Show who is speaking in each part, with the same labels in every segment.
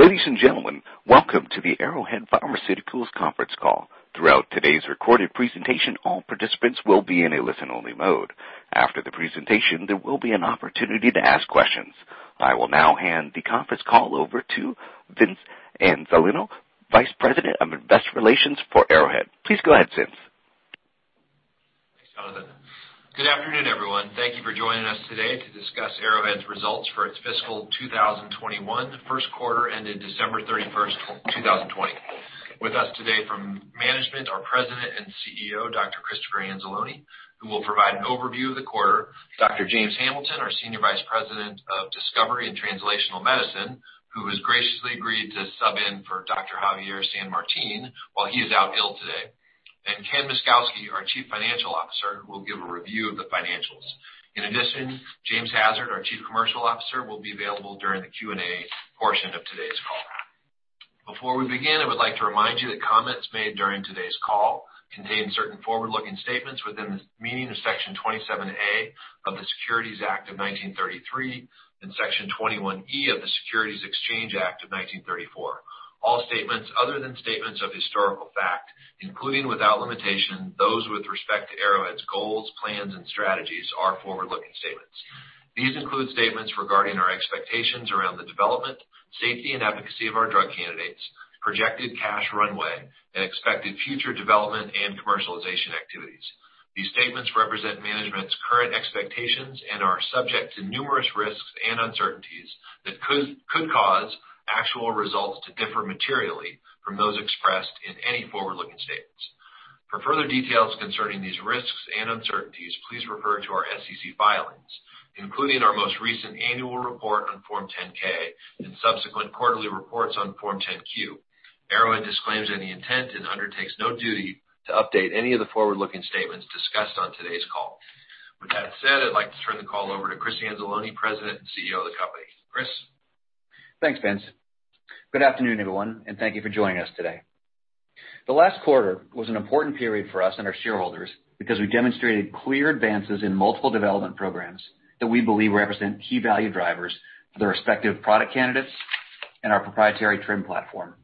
Speaker 1: Ladies and gentlemen, welcome to the Arrowhead Pharmaceuticals conference call. Throughout today's recorded presentation, all participants will be in a listen-only mode. After the presentation, there will be an opportunity to ask questions. I will now hand the conference call over to Vince Anzalone, Vice President of Investor Relations for Arrowhead. Please go ahead, Vince.
Speaker 2: Thanks, Jonathan. Good afternoon, everyone. Thank you for joining us today to discuss Arrowhead's results for its fiscal 2021 first quarter ended December 31st, 2020. With us today from management, our President and CEO, Dr. Christopher Anzalone, who will provide an overview of the quarter, Dr. James Hamilton, our Senior Vice President of Discovery and Translational Medicine, who has graciously agreed to sub in for Dr. Javier San Martin while he is out ill today, and Ken Myszkowski, our Chief Financial Officer, who will give a review of the financials. In addition, James Hassard, our Chief Commercial Officer, will be available during the Q&A portion of today's call. Before we begin, I would like to remind you that comments made during today's call contain certain forward-looking statements within the meaning of Section 27A of the Securities Act of 1933 and Section 21E of the Securities Exchange Act of 1934. All statements other than statements of historical fact, including without limitation those with respect to Arrowhead's goals, plans, and strategies, are forward-looking statements. These include statements regarding our expectations around the development, safety, and efficacy of our drug candidates, projected cash runway, and expected future development and commercialization activities. These statements represent management's current expectations and are subject to numerous risks and uncertainties that could cause actual results to differ materially from those expressed in any forward-looking statements. For further details concerning these risks and uncertainties, please refer to our SEC filings, including our most recent annual report on Form 10-K and subsequent quarterly reports on Form 10-Q. Arrowhead disclaims any intent and undertakes no duty to update any of the forward-looking statements discussed on today's call. With that said, I'd like to turn the call over to Chris Anzalone, President and CEO of the company. Chris?
Speaker 3: Thanks, Vince. Good afternoon, everyone, and thank you for joining us today. The last quarter was an important period for us and our shareholders because we demonstrated clear advances in multiple development programs that we believe represent key value drivers for their respective product candidates and our proprietary TRiM platform.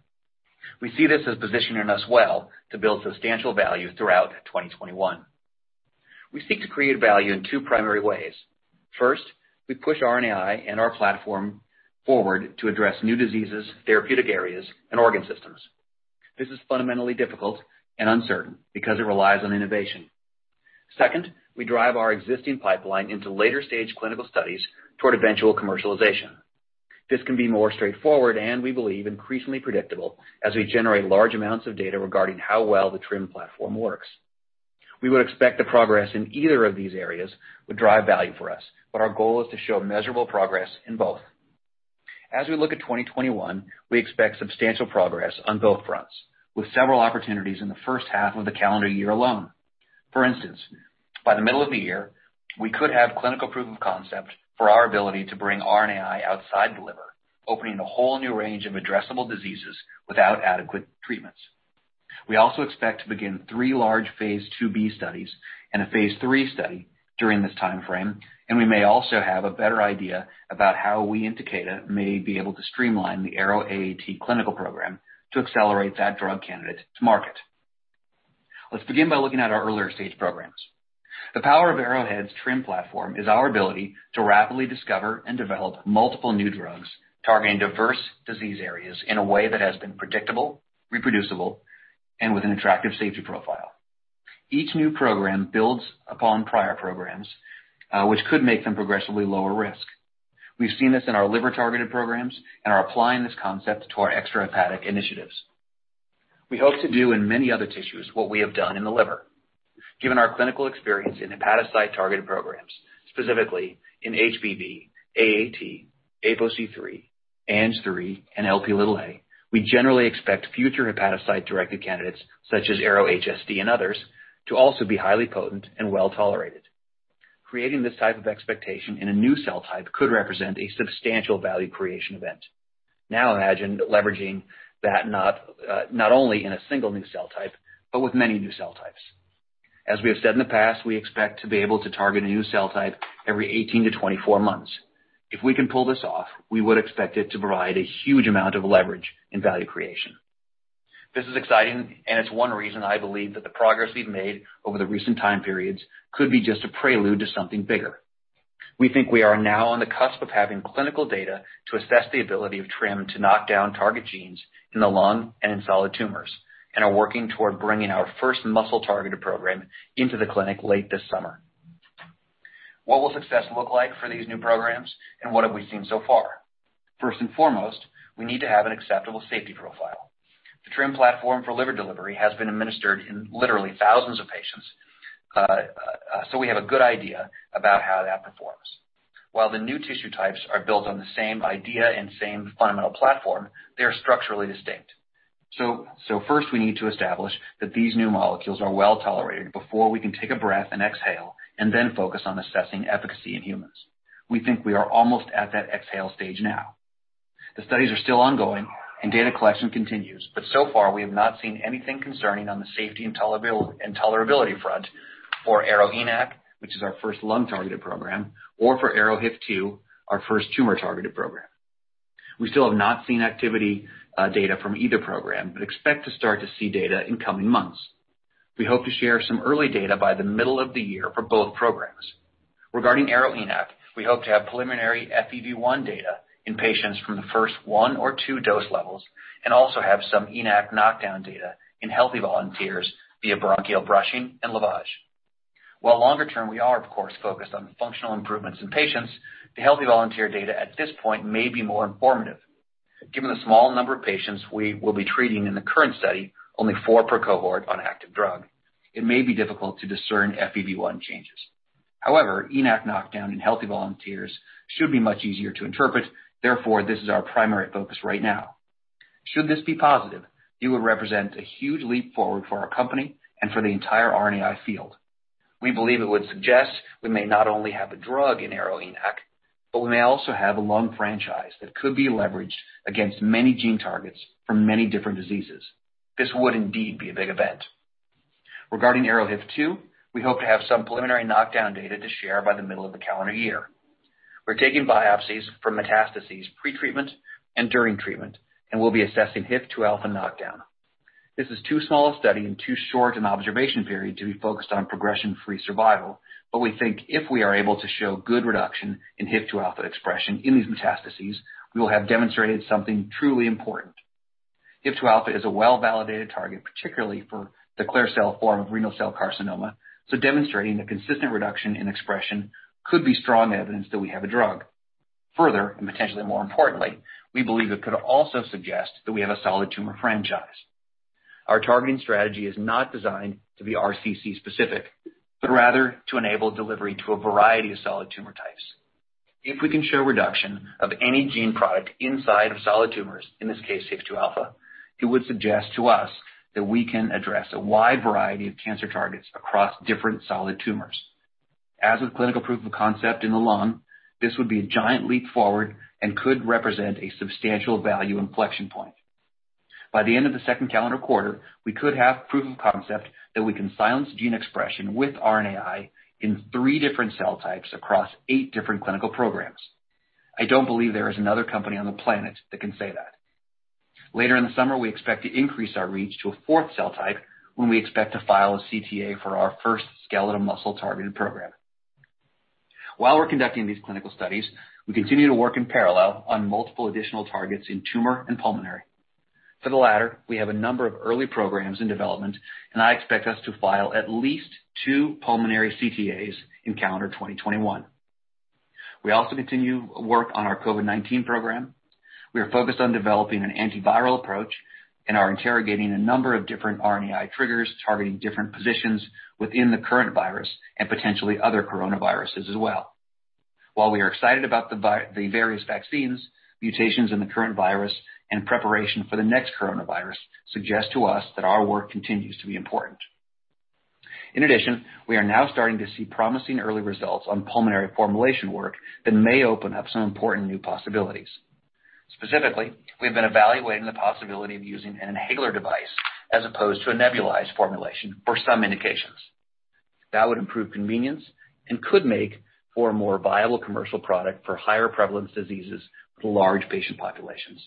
Speaker 3: We see this as positioning us well to build substantial value throughout 2021. We seek to create value in two primary ways. First, we push RNAi and our platform forward to address new diseases, therapeutic areas, and organ systems. This is fundamentally difficult and uncertain because it relies on innovation. Second, we drive our existing pipeline into later-stage clinical studies toward eventual commercialization. This can be more straightforward and, we believe, increasingly predictable as we generate large amounts of data regarding how well the TRiM platform works. We would expect the progress in either of these areas would drive value for us, but our goal is to show measurable progress in both. As we look at 2021, we expect substantial progress on both fronts, with several opportunities in the first half of the calendar year alone. For instance, by the middle of the year, we could have clinical proof of concept for our ability to bring RNAi outside the liver, opening a whole new range of addressable diseases without adequate treatments. We also expect to begin three large phase II -B studies and a phase III study during this timeframe, and we may also have a better idea about how we indicate it, may be able to streamline the ARO-AAT clinical program to accelerate that drug candidate to market. Let's begin by looking at our earlier-stage programs. The power of Arrowhead's TRiM platform is our ability to rapidly discover and develop multiple new drugs targeting diverse disease areas in a way that has been predictable, reproducible, and with an attractive safety profile. Each new program builds upon prior programs, which could make them progressively lower risk. We've seen this in our liver-targeted programs and are applying this concept to our extrahepatic initiatives. We hope to do in many other tissues what we have done in the liver. Given our clinical experience in hepatocyte-targeted programs, specifically in HBV, AAT, APOC3, ANGPTL3, and Lp(a), we generally expect future hepatocyte-directed candidates, such as ARO-HSD and others, to also be highly potent and well-tolerated. Now imagine leveraging that not only in a single new cell type, but with many new cell types. As we have said in the past, we expect to be able to target a new cell type every 18 to 24 months. If we can pull this off, we would expect it to provide a huge amount of leverage in value creation. This is exciting, and it's one reason I believe that the progress we've made over the recent time periods could be just a prelude to something bigger. We think we are now on the cusp of having clinical data to assess the ability of TRiM to knock down target genes in the lung and in solid tumors, and are working toward bringing our first muscle-targeted program into the clinic late this summer. What will success look like for these new programs, and what have we seen so far? First and foremost, we need to have an acceptable safety profile. The TRiM platform for liver delivery has been administered in literally thousands of patients, so we have a good idea about how that performs. While the new tissue types are built on the same idea and same fundamental platform, they are structurally distinct. First, we need to establish that these new molecules are well-tolerated before we can take a breath and exhale, and then focus on assessing efficacy in humans. We think we are almost at that exhale stage now. The studies are still ongoing and data collection continues, but so far, we have not seen anything concerning on the safety and tolerability front for ARO-ENaC, which is our first lung-targeted program, or for ARO-HIF2, our first tumor-targeted program. We still have not seen activity data from either program, but expect to start to see data in coming months. We hope to share some early data by the middle of the year for both programs. Regarding ARO-ENaC, we hope to have preliminary FEV1 data in patients from the first one or two dose levels and also have some ENaC knockdown data in healthy volunteers via bronchial brushing and lavage. While longer-term, we are, of course, focused on the functional improvements in patients, the healthy volunteer data at this point may be more informative. Given the small number of patients we will be treating in the current study, only four per cohort on active drug, it may be difficult to discern FEV1 changes. However, ENaC knockdown in healthy volunteers should be much easier to interpret. Therefore, this is our primary focus right now. Should this be positive, it would represent a huge leap forward for our company and for the entire RNAi field. We believe it would suggest we may not only have a drug in ARO-ENaC, but we may also have a lung franchise that could be leveraged against many gene targets for many different diseases. This would indeed be a big event. Regarding ARO-HIF2, we hope to have some preliminary knockdown data to share by the middle of the calendar year. We're taking biopsies from metastases pre-treatment and during treatment, and we'll be assessing HIF2α knockdown. This is too small a study and too short an observation period to be focused on progression-free survival, but we think if we are able to show good reduction in HIF2α expression in these metastases, we will have demonstrated something truly important. HIF2α is a well-validated target, particularly for the clear cell form of renal cell carcinoma, demonstrating the consistent reduction in expression could be strong evidence that we have a drug. Further, and potentially more importantly, we believe it could also suggest that we have a solid tumor franchise. Our targeting strategy is not designed to be RCC-specific, but rather to enable delivery to a variety of solid tumor types. If we can show reduction of any gene product inside of solid tumors, in this caseHIF2α, it would suggest to us that we can address a wide variety of cancer targets across different solid tumors. As with clinical proof of concept in the lung, this would be a giant leap forward and could represent a substantial value inflection point. By the end of the second calendar quarter, we could have proof of concept that we can silence gene expression with RNAi in three different cell types across eight different clinical programs. I don't believe there is another company on the planet that can say that. Later in the summer, we expect to increase our reach to a fourth cell type when we expect to file a CTA for our first skeletal muscle-targeted program. While we're conducting these clinical studies, we continue to work in parallel on multiple additional targets in tumor and pulmonary. For the latter, we have a number of early programs in development, and I expect us to file at least 2 pulmonary CTAs in calendar 2021. We also continue work on our COVID-19 program. We are focused on developing an antiviral approach and are interrogating a number of different RNAi triggers targeting different positions within the current virus and potentially other coronaviruses as well. While we are excited about the various vaccines, mutations in the current virus and preparation for the next coronavirus suggest to us that our work continues to be important. In addition, we are now starting to see promising early results on pulmonary formulation work that may open up some important new possibilities. Specifically, we've been evaluating the possibility of using an inhaler device as opposed to a nebulized formulation for some indications. That would improve convenience and could make for a more viable commercial product for higher prevalence diseases with large patient populations.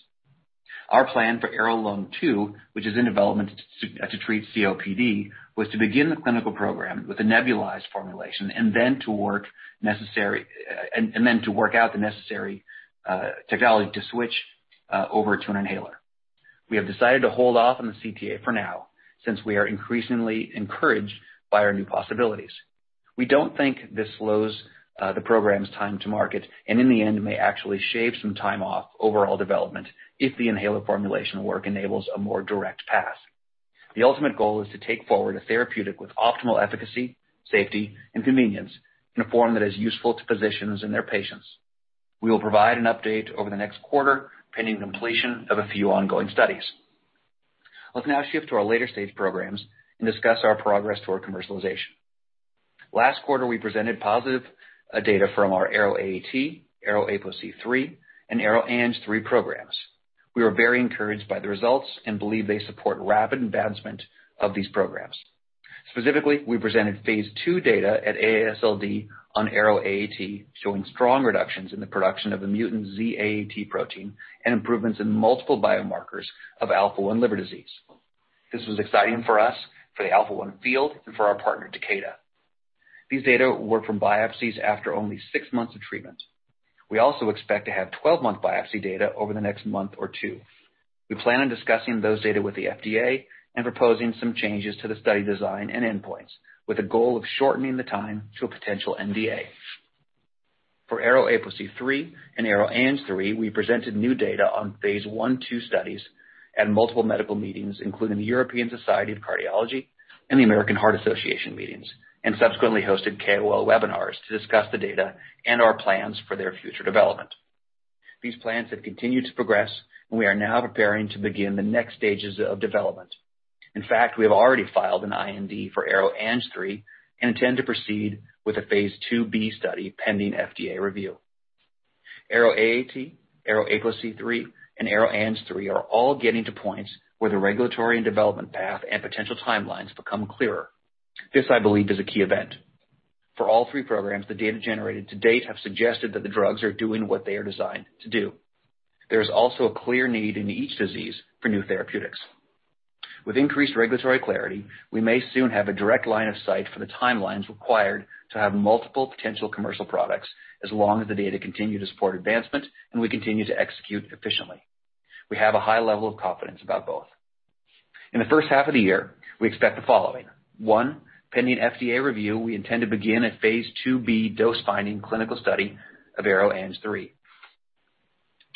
Speaker 3: Our plan for ARO-Lung2, which is in development to treat COPD, was to begin the clinical program with a nebulized formulation and then to work out the necessary technology to switch over to an inhaler. We have decided to hold off on the CTA for now, since we are increasingly encouraged by our new possibilities. We don't think this slows the program's time to market, and in the end may actually shave some time off overall development if the inhaler formulation work enables a more direct path. The ultimate goal is to take forward a therapeutic with optimal efficacy, safety, and convenience in a form that is useful to physicians and their patients. We will provide an update over the next quarter pending completion of a few ongoing studies. Let's now shift to our later-stage programs and discuss our progress toward commercialization. Last quarter, we presented positive data from our ARO-AAT, ARO-APOC3, and ARO-ANG3 programs. We are very encouraged by the results and believe they support rapid advancement of these programs. Specifically, we presented Phase II data at AASLD on ARO-AAT, showing strong reductions in the production of the mutant Z-AAT protein and improvements in multiple biomarkers of alpha-1 liver disease. This was exciting for us, for the alpha-1 field, and for our partner, Takeda. These data were from biopsies after only six months of treatment. We also expect to have 12-month biopsy data over the next month or two. We plan on discussing those data with the FDA and proposing some changes to the study design and endpoints, with a goal of shortening the time to a potential NDA. For ARO-APOC3 and ARO-ANG3, we presented new data on phase I/II studies at multiple medical meetings, including the European Society of Cardiology and the American Heart Association meetings, and subsequently hosted KOL webinars to discuss the data and our plans for their future development. These plans have continued to progress, and we are now preparing to begin the next stages of development. In fact, we have already filed an IND for ARO-ANG3 and intend to proceed with a phase II-B study pending FDA review. ARO-AAT, ARO-APOC3, and ARO-ANG3 are all getting to points where the regulatory and development path and potential timelines become clearer. This, I believe, is a key event. For all three programs, the data generated to date have suggested that the drugs are doing what they are designed to do. There is also a clear need in each disease for new therapeutics. With increased regulatory clarity, we may soon have a direct line of sight for the timelines required to have multiple potential commercial products, as long as the data continue to support advancement and we continue to execute efficiently. We have a high level of confidence about both. In the first half of the year, we expect the following. One, pending FDA review, we intend to begin a phase II-B dose-finding clinical study of ARO-ANG3.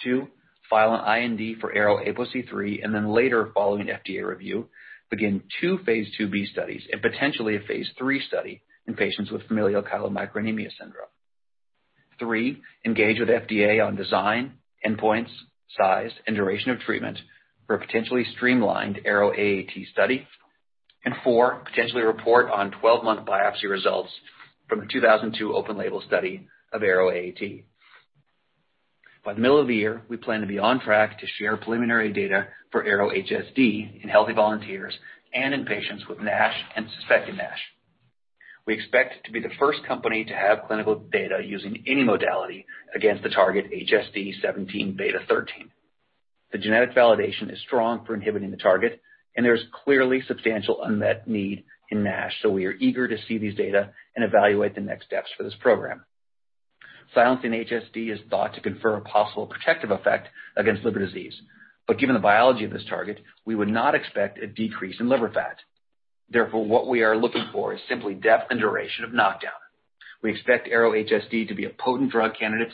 Speaker 3: Two, file an IND for ARO-APOC3 and then later, following FDA review, begin two phase II-B studies and potentially a phase III study in patients with familial chylomicronemia syndrome. Three, engage with FDA on design, endpoints, size, and duration of treatment for a potentially streamlined ARO-AAT study. Four, potentially report on 12-month biopsy results from the 2002 open label study of ARO-AAT. By the middle of the year, we plan to be on track to share preliminary data for ARO-HSD in healthy volunteers and in patients with NASH and suspected NASH. We expect to be the first company to have clinical data using any modality against the target HSD17B13. The genetic validation is strong for inhibiting the target, and there is clearly substantial unmet need in NASH, so we are eager to see these data and evaluate the next steps for this program. Silencing HSD is thought to confer a possible protective effect against liver disease. Given the biology of this target, we would not expect a decrease in liver fat. Therefore, what we are looking for is simply depth and duration of knockdown. We expect ARO-HSD to be a potent drug candidate,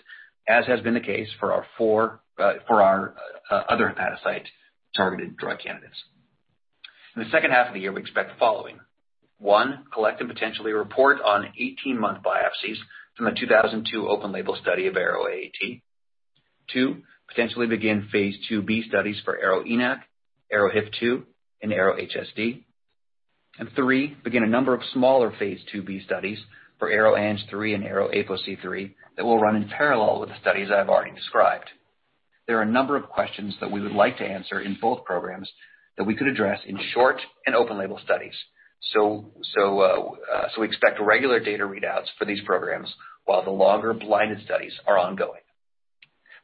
Speaker 3: as has been the case for our other hepatocyte-targeted drug candidates. In the second half of the year, we expect the following. One, collect and potentially report on 18-month biopsies from a 2002 open-label study of ARO-AAT. Two, potentially begin phase II-B studies for ARO-ENaC, ARO-HIF2, and ARO-HSD. Three, begin a number of smaller phase II-B studies for ARO-ANG3 and ARO-APOC3 that will run in parallel with the studies that I've already described. There are a number of questions that we would like to answer in both programs that we could address in short and open-label studies. We expect regular data readouts for these programs while the longer blinded studies are ongoing.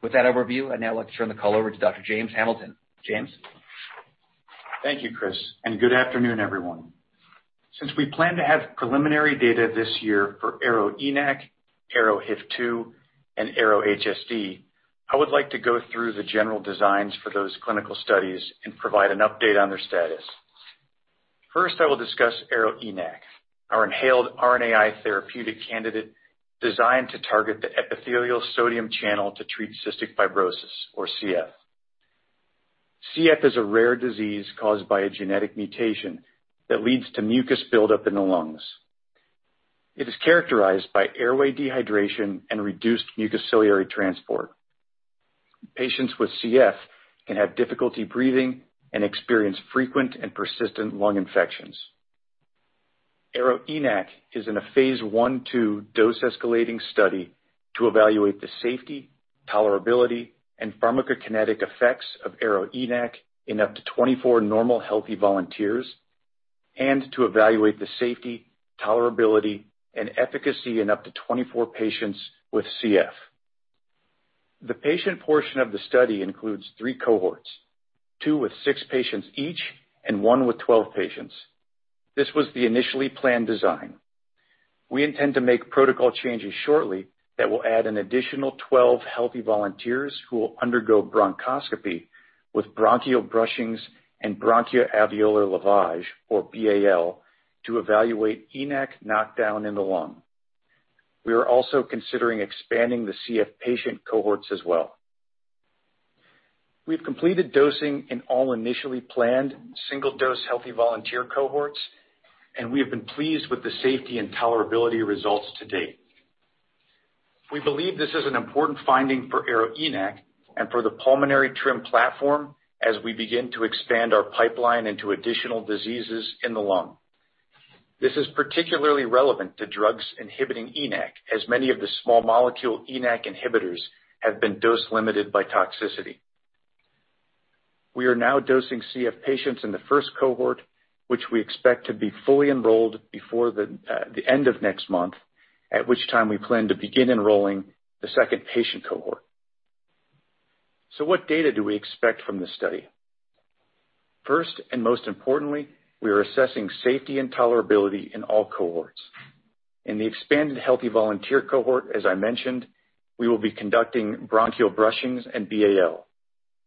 Speaker 3: With that overview, I'd now like to turn the call over to Dr. James Hamilton. James?
Speaker 4: Thank you, Chris, and good afternoon, everyone. Since we plan to have preliminary data this year for ARO-ENaC, ARO-HIF2, and ARO-HSD, I would like to go through the general designs for those clinical studies and provide an update on their status. First, I will discuss ARO-ENaC, our inhaled RNAi therapeutic candidate designed to target the epithelial sodium channel to treat cystic fibrosis or CF. CF is a rare disease caused by a genetic mutation that leads to mucus buildup in the lungs. It is characterized by airway dehydration and reduced mucociliary transport. Patients with CF can have difficulty breathing and experience frequent and persistent lung infections. ARO-ENaC is in a phase I/II dose-escalating study to evaluate the safety, tolerability, and pharmacokinetic effects of ARO-ENaC in up to 24 normal healthy volunteers, and to evaluate the safety, tolerability, and efficacy in up to 24 patients with CF. The patient portion of the study includes three cohorts, two with six patients each and one with 12 patients. This was the initially planned design. We intend to make protocol changes shortly that will add an additional 12 healthy volunteers who will undergo bronchoscopy with bronchial brushings and bronchoalveolar lavage, or BAL, to evaluate ENaC knockdown in the lung. We are also considering expanding the CF patient cohorts as well. We've completed dosing in all initially planned single-dose healthy volunteer cohorts, and we have been pleased with the safety and tolerability results to date. We believe this is an important finding for ARO-ENaC and for the pulmonary TRiM platform as we begin to expand our pipeline into additional diseases in the lung. This is particularly relevant to drugs inhibiting ENaC, as many of the small molecule ENaC inhibitors have been dose limited by toxicity. We are now dosing CF patients in the first cohort, which we expect to be fully enrolled before the end of next month, at which time we plan to begin enrolling the second patient cohort. What data do we expect from this study? First and most importantly, we are assessing safety and tolerability in all cohorts. In the expanded healthy volunteer cohort, as I mentioned, we will be conducting bronchial brushings and BAL.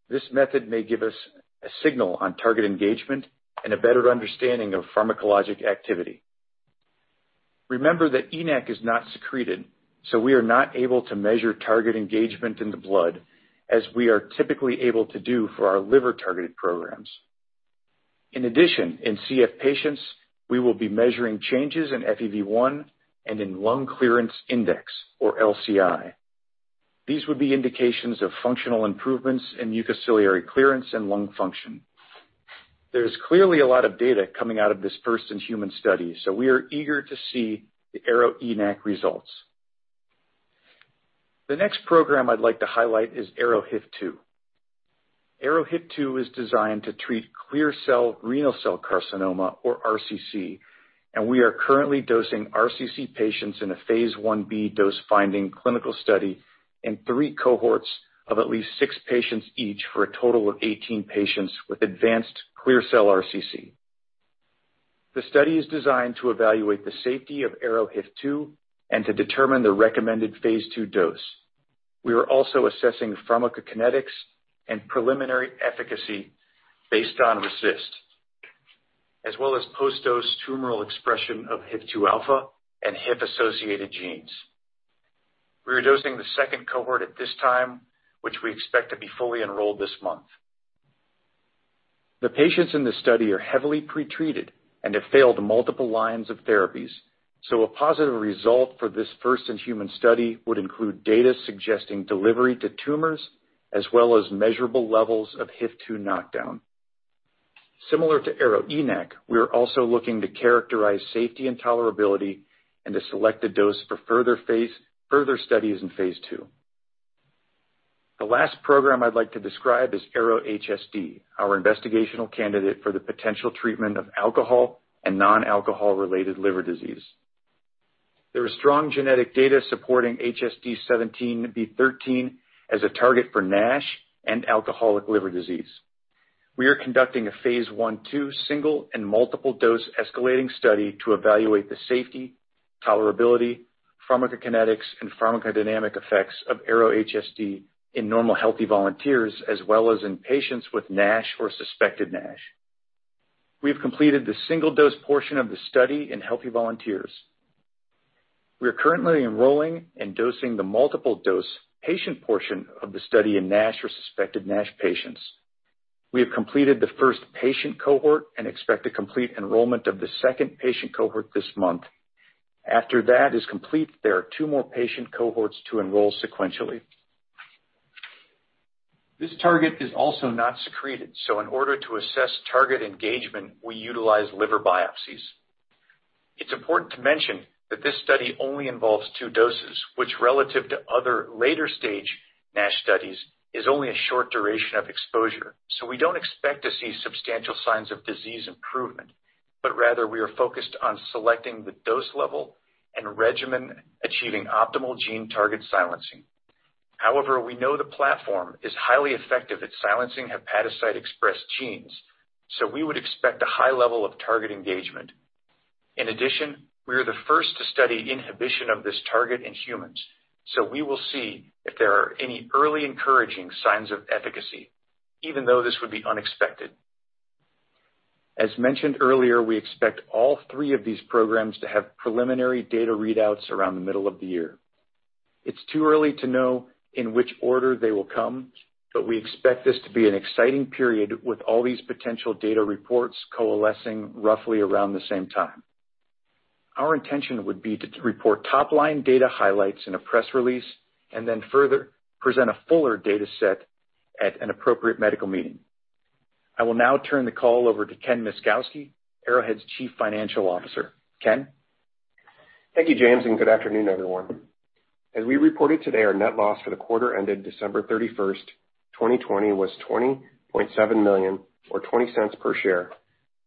Speaker 4: This method may give us a signal on target engagement and a better understanding of pharmacologic activity. Remember that ENaC is not secreted, we are not able to measure target engagement in the blood, as we are typically able to do for our liver-targeted programs. In addition, in CF patients, we will be measuring changes in FEV1 and in lung clearance index or LCI. These would be indications of functional improvements in mucociliary clearance and lung function. There's clearly a lot of data coming out of this first-in-human study. We are eager to see the ARO-ENaC results. The next program I'd like to highlight is ARO-HIF2. ARO-HIF2 is designed to treat clear cell renal cell carcinoma or RCC. We are currently dosing RCC patients in a phase I-B dose-finding clinical study in three cohorts of at least six patients each, for a total of 18 patients with advanced clear cell RCC. The study is designed to evaluate the safety of ARO-HIF2 and to determine the recommended phase II dose. We are also assessing pharmacokinetics and preliminary efficacy based on RECIST, as well as post-dose tumoral expression of HIF2α and HIF-associated genes. We are dosing the second cohort at this time, which we expect to be fully enrolled this month. The patients in this study are heavily pretreated and have failed multiple lines of therapies. A positive result for this first-in-human study would include data suggesting delivery to tumors, as well as measurable levels of HIF2 knockdown. Similar to ARO-ENaC, we are also looking to characterize safety and tolerability and to select a dose for further studies in phase II. The last program I'd like to describe is ARO-HSD, our investigational candidate for the potential treatment of alcohol and non-alcohol related liver disease. There is strong genetic data supporting HSD17B13 as a target for NASH and alcoholic liver disease. We are conducting a Phase I/II single and multiple dose escalating study to evaluate the safety, tolerability, pharmacokinetics, and pharmacodynamic effects of ARO-HSD in normal healthy volunteers, as well as in patients with NASH or suspected NASH. We have completed the single-dose portion of the study in healthy volunteers. We are currently enrolling and dosing the multiple-dose patient portion of the study in NASH or suspected NASH patients. We have completed the first patient cohort and expect to complete enrollment of the second patient cohort this month. After that is complete, there are two more patient cohorts to enroll sequentially. This target is also not secreted. In order to assess target engagement, we utilize liver biopsies. It's important to mention that this study only involves two doses, which relative to other later-stage NASH studies is only a short duration of exposure. We don't expect to see substantial signs of disease improvement, but rather we are focused on selecting the dose level and regimen achieving optimal gene target silencing. However, we know the platform is highly effective at silencing hepatocyte-expressed genes, so we would expect a high level of target engagement. In addition, we are the first to study inhibition of this target in humans, so we will see if there are any early encouraging signs of efficacy, even though this would be unexpected. As mentioned earlier, we expect all three of these programs to have preliminary data readouts around the middle of the year. It's too early to know in which order they will come, but we expect this to be an exciting period with all these potential data reports coalescing roughly around the same time. Our intention would be to report top-line data highlights in a press release and then further present a fuller data set at an appropriate medical meeting. I will now turn the call over to Ken Myszkowski, Arrowhead's Chief Financial Officer. Ken?
Speaker 5: Thank you, James, and good afternoon, everyone. As we reported today, our net loss for the quarter ended December 31st, 2020, was $20.7 million or $0.20 per share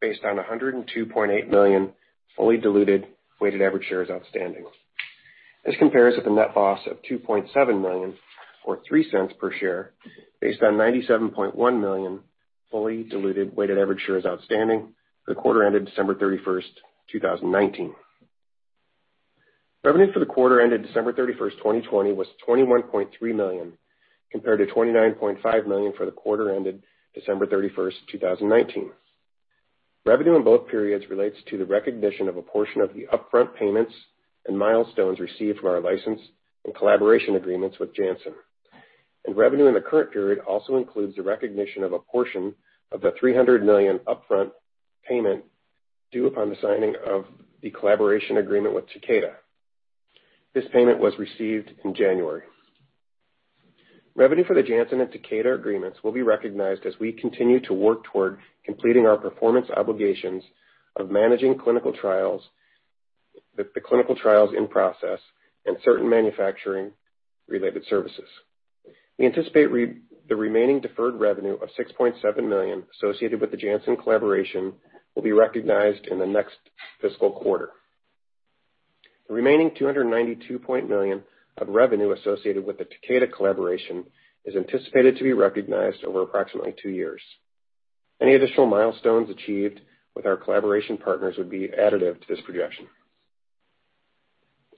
Speaker 5: based on 102.8 million fully diluted weighted average shares outstanding. This compares with a net loss of $2.7 million or $0.03 per share based on 97.1 million fully diluted weighted average shares outstanding for the quarter ended December 31st, 2019. Revenue for the quarter ended December 31st, 2020, was $21.3 million compared to $29.5 million for the quarter ended December 31st, 2019. Revenue in both periods relates to the recognition of a portion of the upfront payments and milestones received from our license and collaboration agreements with Janssen. Revenue in the current period also includes the recognition of a portion of the $300 million upfront payment due upon the signing of the collaboration agreement with Takeda. This payment was received in January. Revenue for the Janssen and Takeda agreements will be recognized as we continue to work toward completing our performance obligations of managing the clinical trials in process and certain manufacturing-related services. We anticipate the remaining deferred revenue of $6.7 million associated with the Janssen collaboration will be recognized in the next fiscal quarter. The remaining $292 million of revenue associated with the Takeda collaboration is anticipated to be recognized over approximately two years. Any additional milestones achieved with our collaboration partners would be additive to this projection.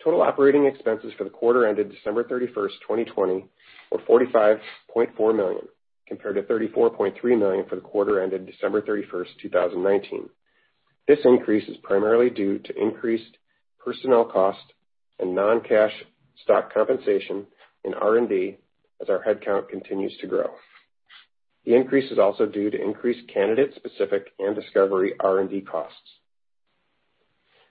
Speaker 5: Total operating expenses for the quarter ended December 31st, 2020, were $45.4 million compared to $34.3 million for the quarter ended December 31st, 2019. This increase is primarily due to increased personnel cost and non-cash stock compensation in R&D as our headcount continues to grow. The increase is also due to increased candidate-specific and discovery R&D costs.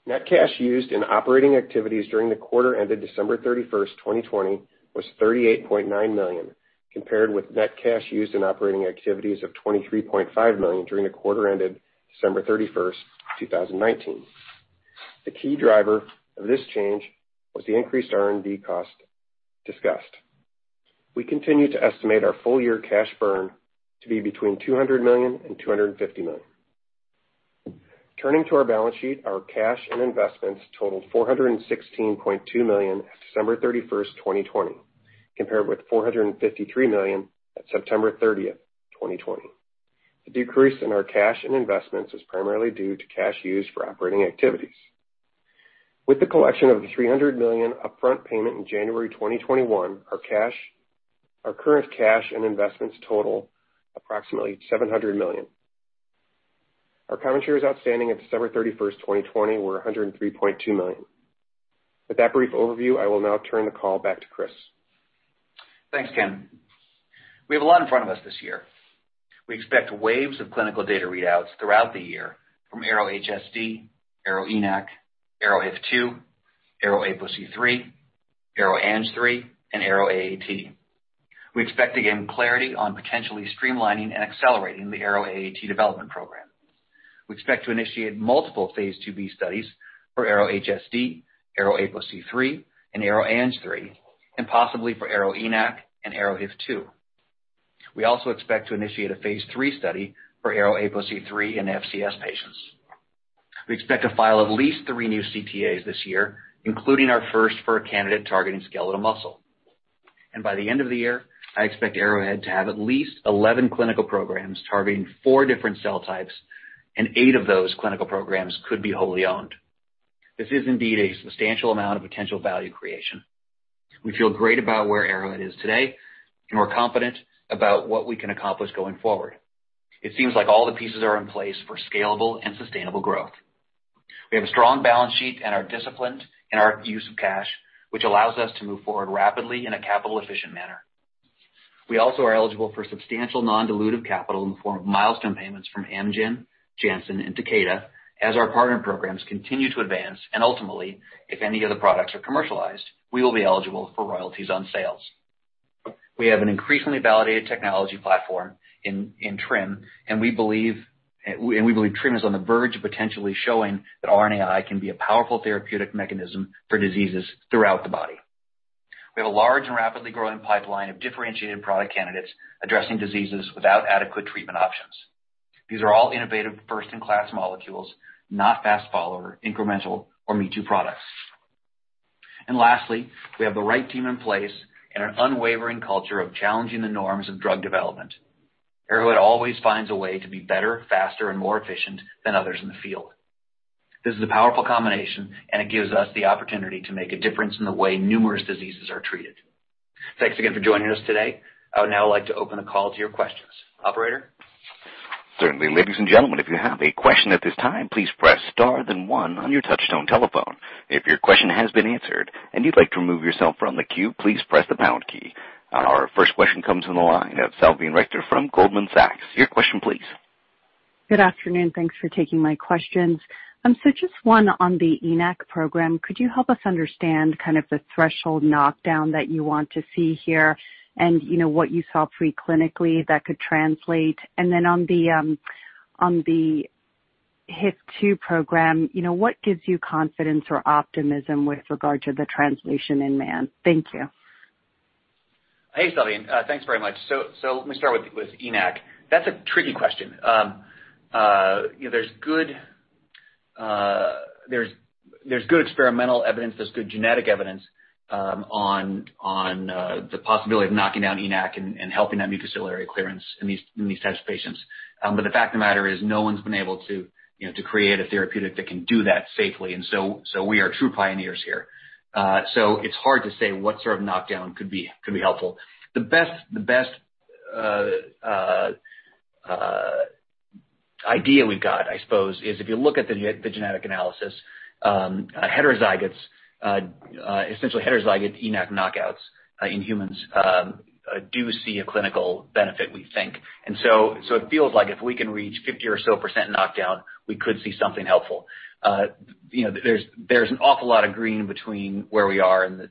Speaker 5: Net cash used in operating activities during the quarter ended December 31st, 2020 was $38.9 million, compared with net cash used in operating activities of $23.5 million during the quarter ended December 31st, 2019. The key driver of this change was the increased R&D cost discussed. We continue to estimate our full year cash burn to be between $200 million and $250 million. Turning to our balance sheet, our cash and investments totaled $416.2 million as of December 31st, 2020, compared with $453 million at September 30th, 2020. The decrease in our cash and investments is primarily due to cash used for operating activities. With the collection of the $300 million upfront payment in January 2021, our current cash and investments total approximately $700 million. Our common shares outstanding at December 31st, 2020 were $103.2 million. With that brief overview, I will now turn the call back to Chris.
Speaker 3: Thanks, Ken. We have a lot in front of us this year. We expect waves of clinical data readouts throughout the year from ARO-HSD, ARO-ENaC, ARO-HIF2, ARO-APOC3, ARO-ANG3, and ARO-AAT. We expect to gain clarity on potentially streamlining and accelerating the ARO-AAT development program. We expect to initiate multiple phase II-B studies for ARO-HSD, ARO-APOC3, and ARO-ANG3, and possibly for ARO-ENaC and ARO-HIF2. We also expect to initiate a phase III study for ARO-APOC3 in FCS patients. We expect to file at least three new CTAs this year, including our first for a candidate targeting skeletal muscle. By the end of the year, I expect Arrowhead to have at least 11 clinical programs targeting four different cell types, and eight of those clinical programs could be wholly owned. This is indeed a substantial amount of potential value creation. We feel great about where Arrowhead is today, and we're confident about what we can accomplish going forward. It seems like all the pieces are in place for scalable and sustainable growth. We have a strong balance sheet and are disciplined in our use of cash, which allows us to move forward rapidly in a capital-efficient manner. We also are eligible for substantial non-dilutive capital in the form of milestone payments from Amgen, Janssen, and Takeda as our partner programs continue to advance. Ultimately, if any of the products are commercialized, we will be eligible for royalties on sales. We have an increasingly validated technology platform in TRiM, and we believe TRiM is on the verge of potentially showing that RNAi can be a powerful therapeutic mechanism for diseases throughout the body. We have a large and rapidly growing pipeline of differentiated product candidates addressing diseases without adequate treatment options. These are all innovative first-in-class molecules, not fast follower, incremental, or me-too products. Lastly, we have the right team in place and an unwavering culture of challenging the norms of drug development. Arrowhead always finds a way to be better, faster, and more efficient than others in the field. This is a powerful combination, and it gives us the opportunity to make a difference in the way numerous diseases are treated. Thanks again for joining us today. I would now like to open the call to your questions. Operator?
Speaker 1: Our first question comes from the line of Salveen Richter from Goldman Sachs Group, Inc. Your question please.
Speaker 6: Good afternoon. Thanks for taking my questions. Just one on the ENaC program. Could you help us understand the threshold knockdown that you want to see here and what you saw pre-clinically that could translate? On the HIF2 program, what gives you confidence or optimism with regard to the translation in man? Thank you.
Speaker 3: Hey, Salveen. Thanks very much. Let me start with ENaC. That's a tricky question. There's good experimental evidence, there's good genetic evidence on the possibility of knocking down ENaC and helping that mucociliary clearance in these types of patients. The fact of the matter is no one's been able to create a therapeutic that can do that safely, we are true pioneers here. It's hard to say what sort of knockdown could be helpful. The best idea we've got, I suppose, is if you look at the genetic analysis, essentially heterozygous ENaC knockouts in humans do see a clinical benefit, we think. It feels like if we can reach 50% or so knockdown, we could see something helpful. There's an awful lot of green between where we are and the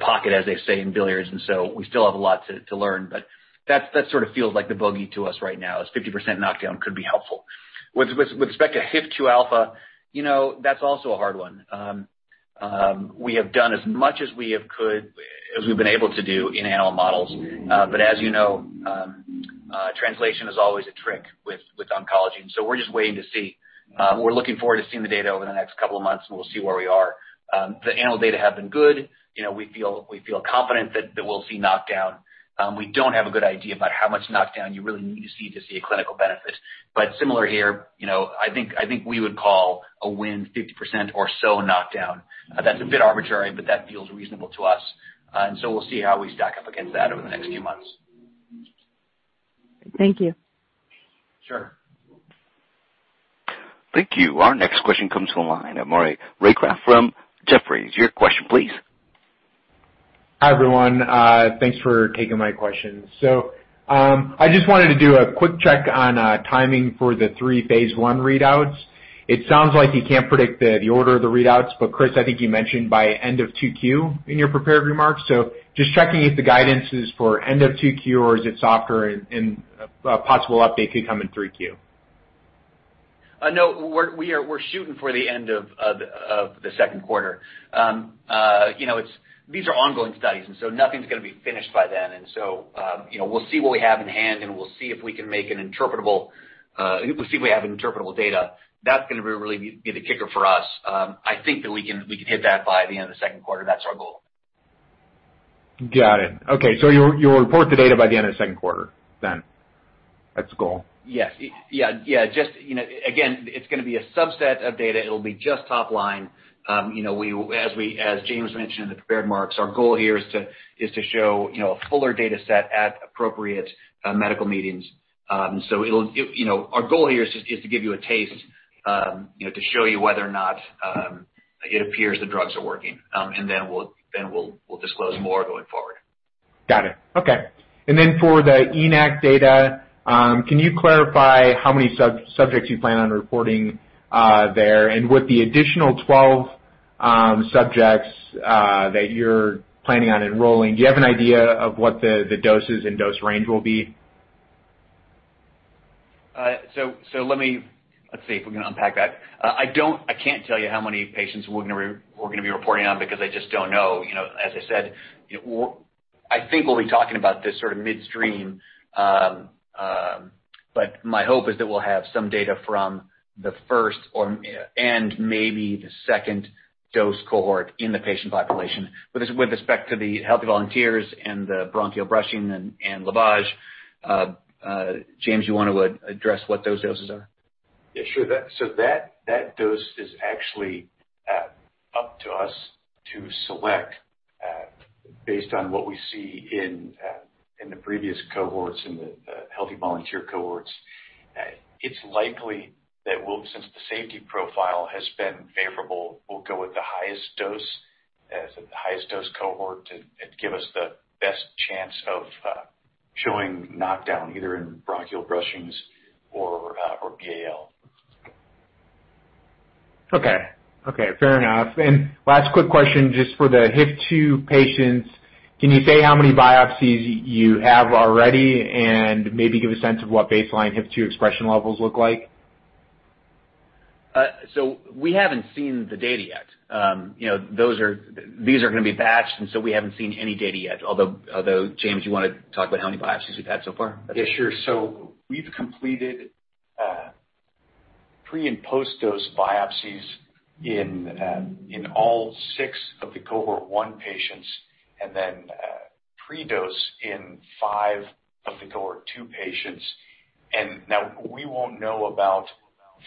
Speaker 3: pocket, as they say in billiards, and so we still have a lot to learn, but that sort of feels like the bogey to us right now is 50% knockdown could be helpful. With respect to HIF2α, that's also a hard one. We have done as much as we've been able to do in animal models. But as you know, translation is always a trick with oncology, and so we're just waiting to see. We're looking forward to seeing the data over the next couple of months, and we'll see where we are. The animal data have been good. We feel confident that we'll see knockdown. We don't have a good idea about how much knockdown you really need to see to see a clinical benefit. Similar here, I think we would call a win 50% or so knockdown. That's a bit arbitrary, but that feels reasonable to us, and so we'll see how we stack up against that over the next few months.
Speaker 6: Thank you.
Speaker 3: Sure.
Speaker 1: Thank you. Our next question comes from the line of Maury Raycroft from Jefferies. Your question please.
Speaker 7: Hi, everyone. Thanks for taking my questions. I just wanted to do a quick check on timing for the three phase I readouts. It sounds like you can't predict the order of the readouts, but Chris, I think you mentioned by end of 2Q in your prepared remarks, so just checking if the guidance is for end of 2Q or is it softer and a possible update could come in 3Q.
Speaker 3: No, we're shooting for the end of the second quarter. These are ongoing studies. Nothing's going to be finished by then. We'll see what we have in hand, and we'll see if we have interpretable data. That's going to really be the kicker for us. I think that we can hit that by the end of the second quarter. That's our goal.
Speaker 7: Got it. Okay. You'll report the data by the end of the second quarter then. That's the goal.
Speaker 3: Yes. Again, it's going to be a subset of data. It'll be just top line. As James mentioned in the prepared remarks, our goal here is to show a fuller data set at appropriate medical meetings. Our goal here is to give you a taste, to show you whether or not it appears the drugs are working. We'll disclose more going forward.
Speaker 7: Got it. Okay. For the ENaC data, can you clarify how many subjects you plan on reporting there and with the additional 12 subjects that you're planning on enrolling, do you have an idea of what the doses and dose range will be?
Speaker 3: Let's see if we can unpack that. I can't tell you how many patients we're going to be reporting on because I just don't know. As I said, I think we'll be talking about this sort of midstream, but my hope is that we'll have some data from the first or, and maybe the second dose cohort in the patient population with respect to the healthy volunteers and the bronchial brushing and lavage. James, you want to address what those doses are?
Speaker 4: Yeah, sure. That dose is actually up to us to select based on what we see in the previous cohorts, in the healthy volunteer cohorts. It's likely that since the safety profile has been favorable, we'll go with the highest dose cohort to give us the best chance of showing knockdown either in bronchial brushings or BAL.
Speaker 7: Okay. Fair enough. Last quick question, just for the HIF2 patients, can you say how many biopsies you have already and maybe give a sense of what baseline HIF2 expression levels look like?
Speaker 3: We haven't seen the data yet. These are going to be batched. We haven't seen any data yet. James, you want to talk about how many biopsies we've had so far?
Speaker 4: Yeah, sure. We've completed pre- and post-dose biopsies in all six of the cohort one patients. Pre-dose in five of the cohort two patients. Now we won't know about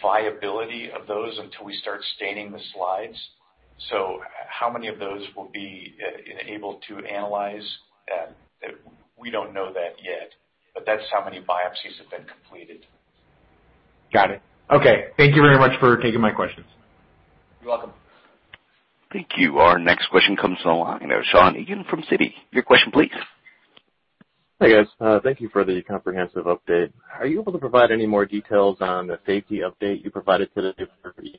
Speaker 4: viability of those until we start staining the slides. How many of those we'll be able to analyze, we don't know that yet, but that's how many biopsies have been completed.
Speaker 7: Got it. Okay. Thank you very much for taking my questions.
Speaker 3: You're welcome.
Speaker 1: Thank you. Our next question comes on the line, Shawn Egan from Citi. Your question please.
Speaker 8: Hi, guys. Thank you for the comprehensive update. Are you able to provide any more details on the safety update you provided today for ENaC?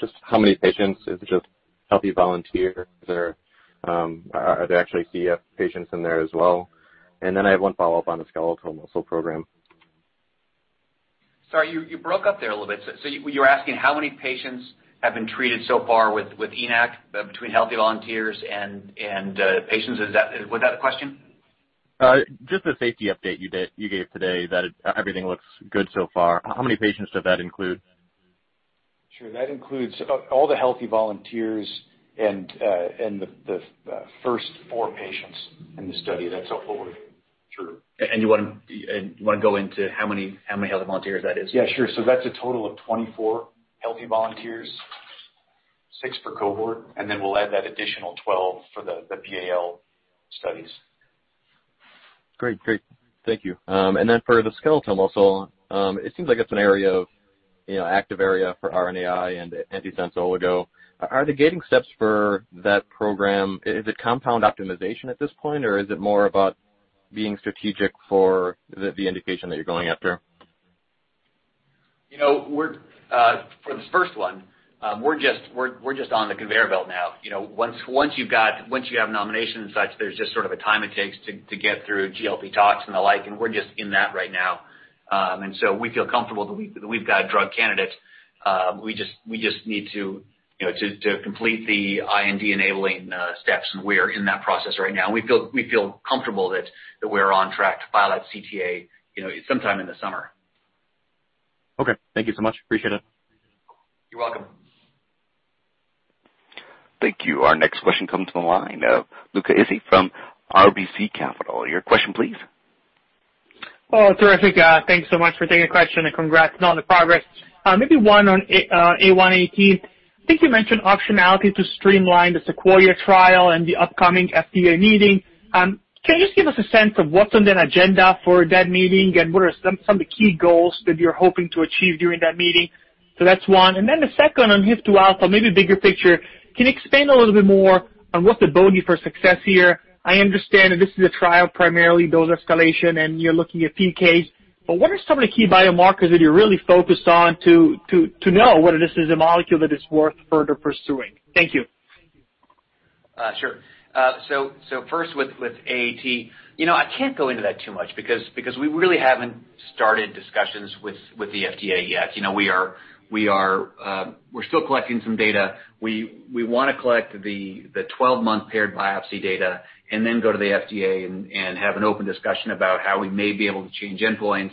Speaker 8: Just how many patients? Is it just healthy volunteers, or are there actually CF patients in there as well? I have one follow-up on the skeletal muscle program.
Speaker 3: Sorry, you broke up there a little bit. You're asking how many patients have been treated so far with ENaC between healthy volunteers and patients? Was that the question?
Speaker 8: Just the safety update you gave today that everything looks good so far. How many patients does that include?
Speaker 4: Sure. That includes all the healthy volunteers and the first four patients in the study. That's all four.
Speaker 3: Sure. You want to go into how many healthy volunteers that is?
Speaker 4: Yeah, sure. That's a total of 24 healthy volunteers, six per cohort, and then we'll add that additional 12 for the BAL studies.
Speaker 8: Great. Thank you. For the skeletal muscle, it seems like it's an active area for RNAi and antisense oligo. Are the gating steps for that program, is it compound optimization at this point, or is it more about being strategic for the indication that you're going after?
Speaker 3: For this first one, we're just on the conveyor belt now. Once you have nominations and such, there's just sort of a time it takes to get through GLP tox and the like, and we're just in that right now. We feel comfortable that we've got drug candidates. We just need to complete the IND enabling steps, and we are in that process right now. We feel comfortable that we're on track to file that CTA sometime in the summer.
Speaker 8: Okay. Thank you so much. Appreciate it.
Speaker 3: You're welcome.
Speaker 1: Thank you. Our next question comes from the line of Luca Issi from RBC Capital. Your question, please.
Speaker 9: Terrific. Thanks so much for taking the question and congrats on the progress. One on ARO-AAT. I think you mentioned optionality to streamline the SEQUOIA trial and the upcoming FDA meeting. Can you just give us a sense of what's on the agenda for that meeting and what are some of the key goals that you're hoping to achieve during that meeting? That's one. The second on HIF2α, maybe bigger picture. Can you expand a little bit more on what's the bogey for success here? I understand that this is a trial, primarily dose escalation, and you're looking at PKs. What are some of the key biomarkers that you're really focused on to know whether this is a molecule that is worth further pursuing? Thank you.
Speaker 3: Sure. First, with AAT, I can't go into that too much because we really haven't started discussions with the FDA yet. We're still collecting some data. We want to collect the 12-month paired biopsy data and then go to the FDA and have an open discussion about how we may be able to change endpoints.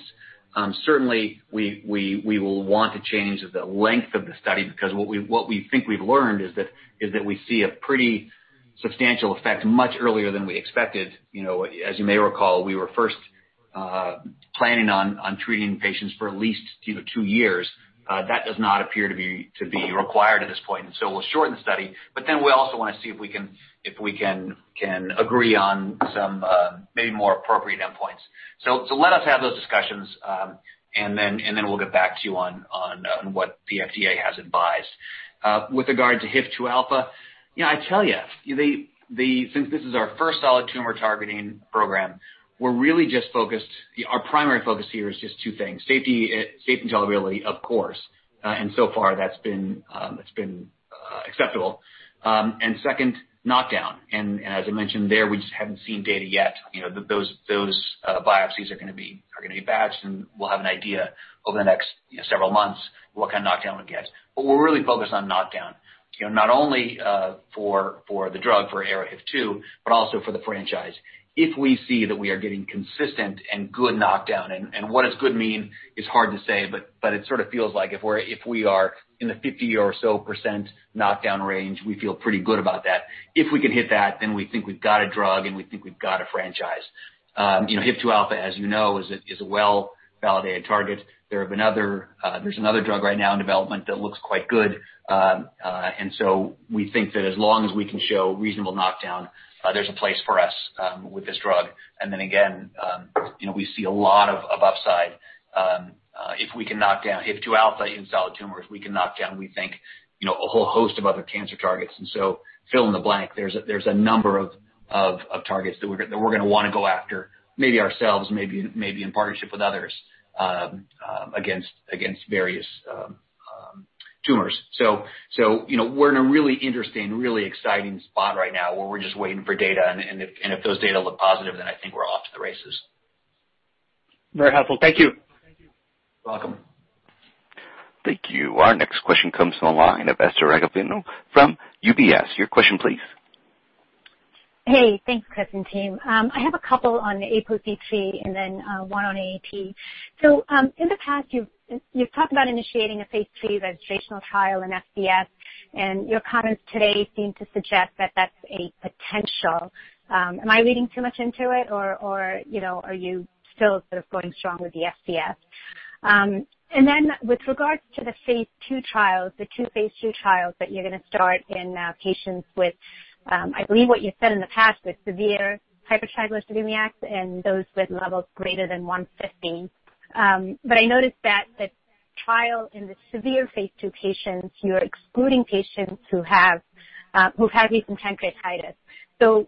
Speaker 3: Certainly, we will want to change the length of the study because what we think we've learned is that we see a pretty substantial effect much earlier than we expected. As you may recall, we were first planning on treating patients for at least two years. That does not appear to be required at this point, we'll shorten the study. We also want to see if we can agree on some maybe more appropriate endpoints. Let us have those discussions, and then we'll get back to you on what the FDA has advised. With regard to HIF2α, I tell you, since this is our first solid tumor targeting program, our primary focus here is just two things, safety and tolerability, of course, and so far that's been acceptable. Second, knockdown. As I mentioned there, we just haven't seen data yet. Those biopsies are going to be batched, and we'll have an idea over the next several months what kind of knockdown we get. We're really focused on knockdown not only for the drug for ARO-HIF2, but also for the franchise if we see that we are getting consistent and good knockdown. What does good mean is hard to say, but it sort of feels like if we are in the 50% or so knockdown range, we feel pretty good about that. If we can hit that, we think we've got a drug, and we think we've got a franchise. HIF2α, as you know, is a well-validated target. There's another drug right now in development that looks quite good. We think that as long as we can show reasonable knockdown, there's a place for us with this drug. Again, we see a lot of upside if we can knock down HIF2α in solid tumors. We can knock down, we think, a whole host of other cancer targets, fill in the blank. There's a number of targets that we're going to want to go after, maybe ourselves, maybe in partnership with others against various tumors. We're in a really interesting, really exciting spot right now where we're just waiting for data, and if those data look positive, then I think we're off to the races.
Speaker 9: Very helpful. Thank you.
Speaker 3: You're welcome.
Speaker 1: Thank you. Our next question comes from the line of Esther Rajavelu from UBS. Your question please.
Speaker 10: Hey, thanks, Chris and team. I have a couple on ARO-APOC3 and then one on ARO-AAT. In the past, you've talked about initiating a phase III registrational trial in FCS, and your comments today seem to suggest that that's a potential. Am I reading too much into it, or are you still sort of going strong with the FCS? With regards to the two phase II trials that you're going to start in patients with, I believe what you said in the past was severe hypertriglyceridemia and those with levels greater than 150. I noticed that the trial in the severe phase II patients, you're excluding patients who have recent pancreatitis.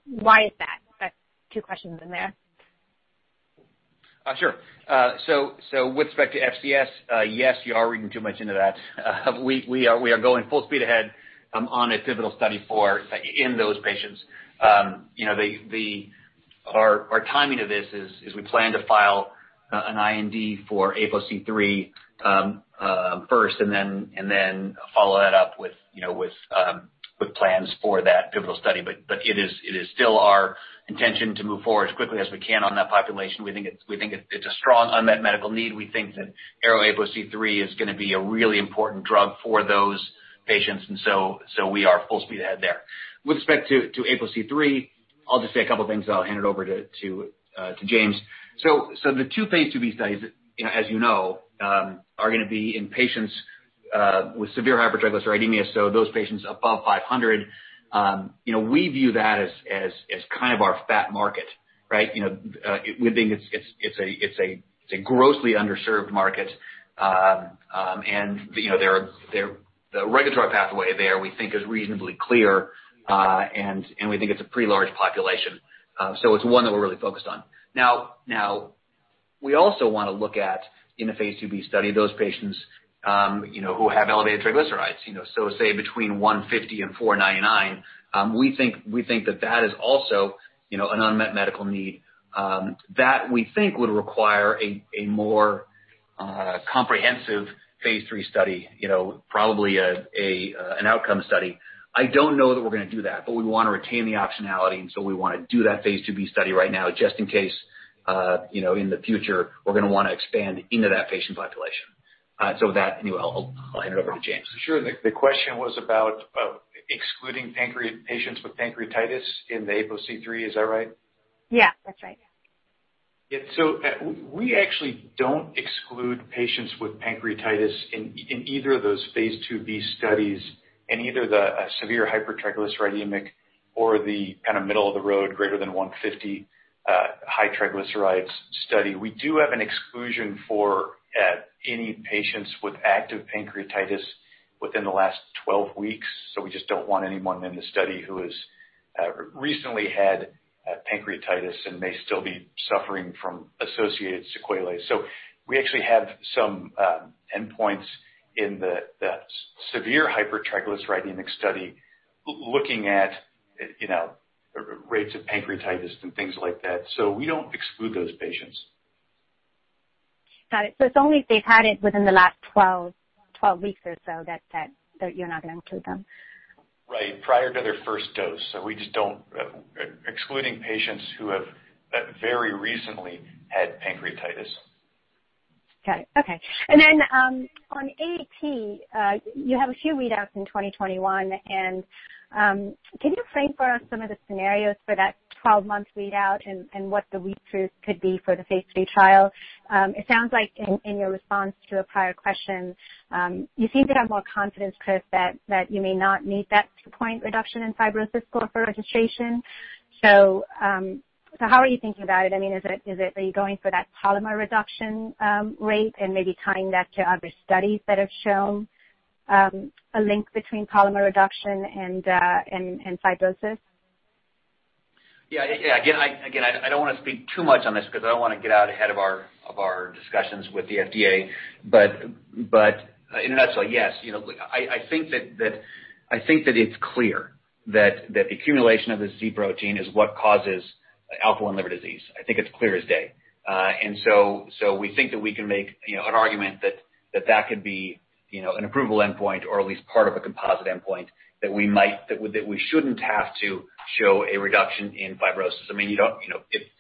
Speaker 10: Why is that? That's two questions in there.
Speaker 3: Sure. With respect to FCS, yes, you are reading too much into that. We are going full speed ahead on a pivotal study in those patients. Our timing of this is we plan to file an IND for ARO-APOC3 first and then follow that up with plans for that pivotal study. It is still our intention to move forward as quickly as we can on that population. We think it's a strong unmet medical need. We think that ARO-APOC3 is going to be a really important drug for those patients, we are full speed ahead there. With respect to ARO-APOC3, I'll just say a couple of things then I'll hand it over to James. The two phase II-B studies, as you know, are going to be in patients with severe hypertriglyceridemia, so those patients above 500. We view that as kind of our fat market, right? We think it's a grossly underserved market. The regulatory pathway there, we think is reasonably clear. We think it's a pretty large population. It's one that we're really focused on. We also want to look at, in the phase II-B study, those patients who have elevated triglycerides. Say between 150 and 499. We think that that is also an unmet medical need that we think would require a more comprehensive phase III study, probably an outcome study. I don't know that we're going to do that, but we want to retain the optionality. We want to do that phase II-B study right now, just in case in the future, we're going to want to expand into that patient population. With that, I'll hand it over to James.
Speaker 4: Sure. The question was about excluding patients with pancreatitis in the ARO-APOC3, is that right?
Speaker 10: Yeah, that's right.
Speaker 4: Yeah. We actually don't exclude patients with pancreatitis in either of those phase II-B studies in either the severe hypertriglyceridemic or the kind of middle-of-the-road greater than 150 high triglycerides study. We do have an exclusion for any patients with active pancreatitis. Within the last 12 weeks. We just don't want anyone in the study who has recently had pancreatitis and may still be suffering from associated sequelae. We actually have some endpoints in the severe hypertriglyceridemic study looking at rates of pancreatitis and things like that. We don't exclude those patients.
Speaker 10: Got it. It's only if they've had it within the last 12 weeks or so that you're not going to include them.
Speaker 3: Right. Prior to their first dose. Excluding patients who have very recently had pancreatitis.
Speaker 10: On AAT, you have a few readouts in 2021. Can you frame for us some of the scenarios for that 12-month readout and what the read-through could be for the phase III trial? It sounds like in your response to a prior question, you seem to have more confidence, Chris, that you may not meet that 2-point reduction in fibrosis score for registration. How are you thinking about it? Are you going for that polymer reduction rate and maybe tying that to other studies that have shown a link between polymer reduction and fibrosis?
Speaker 3: Yeah. Again, I don't want to speak too much on this because I don't want to get out ahead of our discussions with the FDA. In a nutshell, yes. I think that it's clear that the accumulation of the Z protein is what causes alpha-1 liver disease. I think it's clear as day. We think that we can make an argument that that could be an approval endpoint or at least part of a composite endpoint, that we shouldn't have to show a reduction in fibrosis.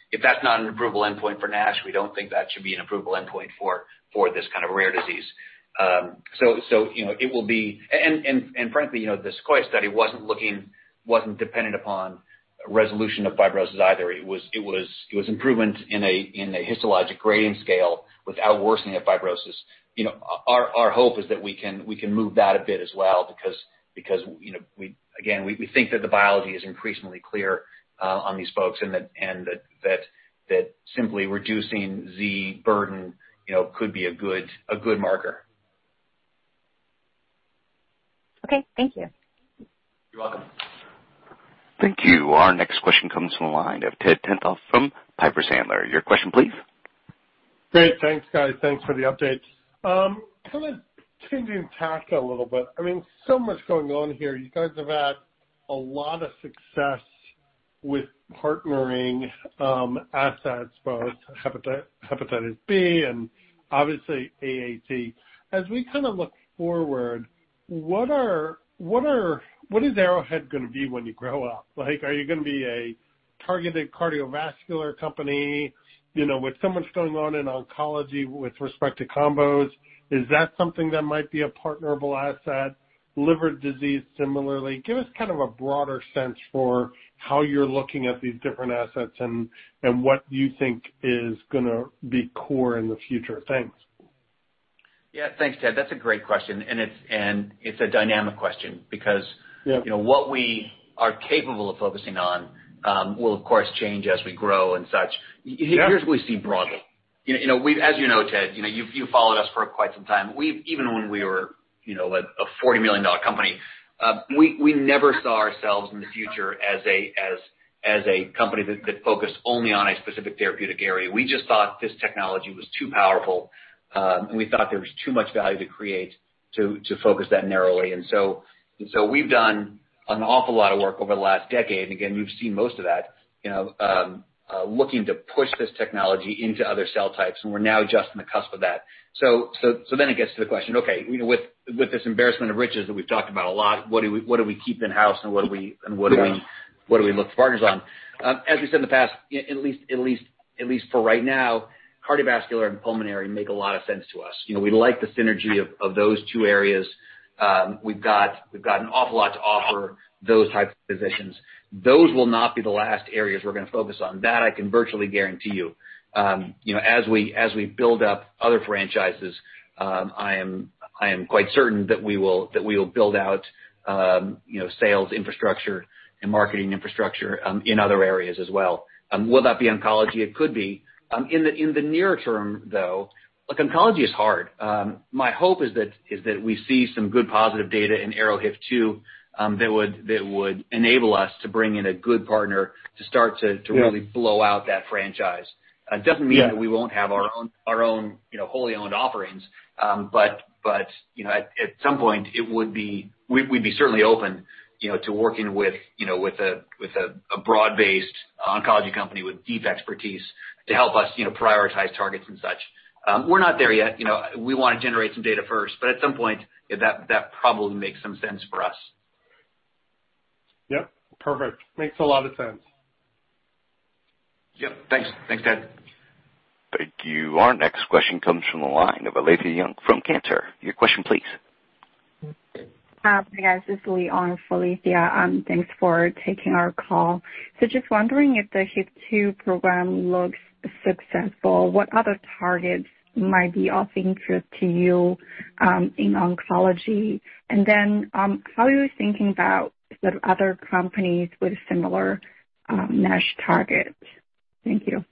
Speaker 3: If that's not an approval endpoint for NASH, we don't think that should be an approval endpoint for this kind of rare disease. Frankly, the SEQUOIA study wasn't dependent upon resolution of fibrosis either. It was improvement in a histologic grading scale without worsening of fibrosis. Our hope is that we can move that a bit as well because again, we think that the biology is increasingly clear on these folks, and that simply reducing Z burden could be a good marker.
Speaker 10: Okay. Thank you.
Speaker 3: You're welcome.
Speaker 1: Thank you. Our next question comes from the line of Ted Tenthoff from Piper Sandler. Your question, please.
Speaker 11: Great. Thanks, guys. Thanks for the update. Kind of changing tack a little bit. Much going on here. You guys have had a lot of success with partnering assets, both hepatitis B and obviously AAT. As we look forward, what is Arrowhead going to be when you grow up? Are you going to be a targeted cardiovascular company? With so much going on in oncology with respect to combos, is that something that might be a partnerable asset? Liver disease, similarly. Give us a broader sense for how you're looking at these different assets and what you think is going to be core in the future. Thanks.
Speaker 3: Yeah. Thanks, Ted. That's a great question. It's a dynamic question.
Speaker 11: Yeah
Speaker 3: what we are capable of focusing on will, of course, change as we grow and such.
Speaker 11: Yeah.
Speaker 3: Here's what we see broadly. As you know, Ted, you've followed us for quite some time. Even when we were a $40 million company, we never saw ourselves in the future as a company that focused only on a specific therapeutic area. We just thought this technology was too powerful, and we thought there was too much value to create to focus that narrowly. We've done an awful lot of work over the last decade, and again, you've seen most of that, looking to push this technology into other cell types, and we're now just on the cusp of that. It gets to the question, okay, with this embarrassment of riches that we've talked about a lot, what do we keep in-house and what do we look for partners on? As we've said in the past, at least for right now, cardiovascular and pulmonary make a lot of sense to us. We like the synergy of those two areas. We've got an awful lot to offer those types of physicians. Those will not be the last areas we're going to focus on. That I can virtually guarantee you. As we build up other franchises, I am quite certain that we will build out sales infrastructure and marketing infrastructure in other areas as well. Will that be oncology? It could be. In the near term, though, oncology is hard. My hope is that we see some good positive data in ARO-HIF2 that would enable us to bring in a good partner to start to really blow out that franchise.
Speaker 11: Yeah.
Speaker 3: It doesn't mean that we won't have our own wholly owned offerings. At some point, we'd be certainly open to working with a broad-based oncology company with deep expertise to help us prioritize targets and such. We're not there yet. We want to generate some data first, at some point, that probably makes some sense for us.
Speaker 11: Yep. Perfect. Makes a lot of sense.
Speaker 3: Yep. Thanks, Ted.
Speaker 1: Thank you. Our next question comes from the line of Alethia Young from Cantor. Your question, please.
Speaker 12: Hi, guys. This is Li on for Alethia. Thanks for taking our call. Just wondering if the HIF2 program looks successful, what other targets might be of interest to you in oncology? How are you thinking about the other companies with similar NASH targets? Thank you.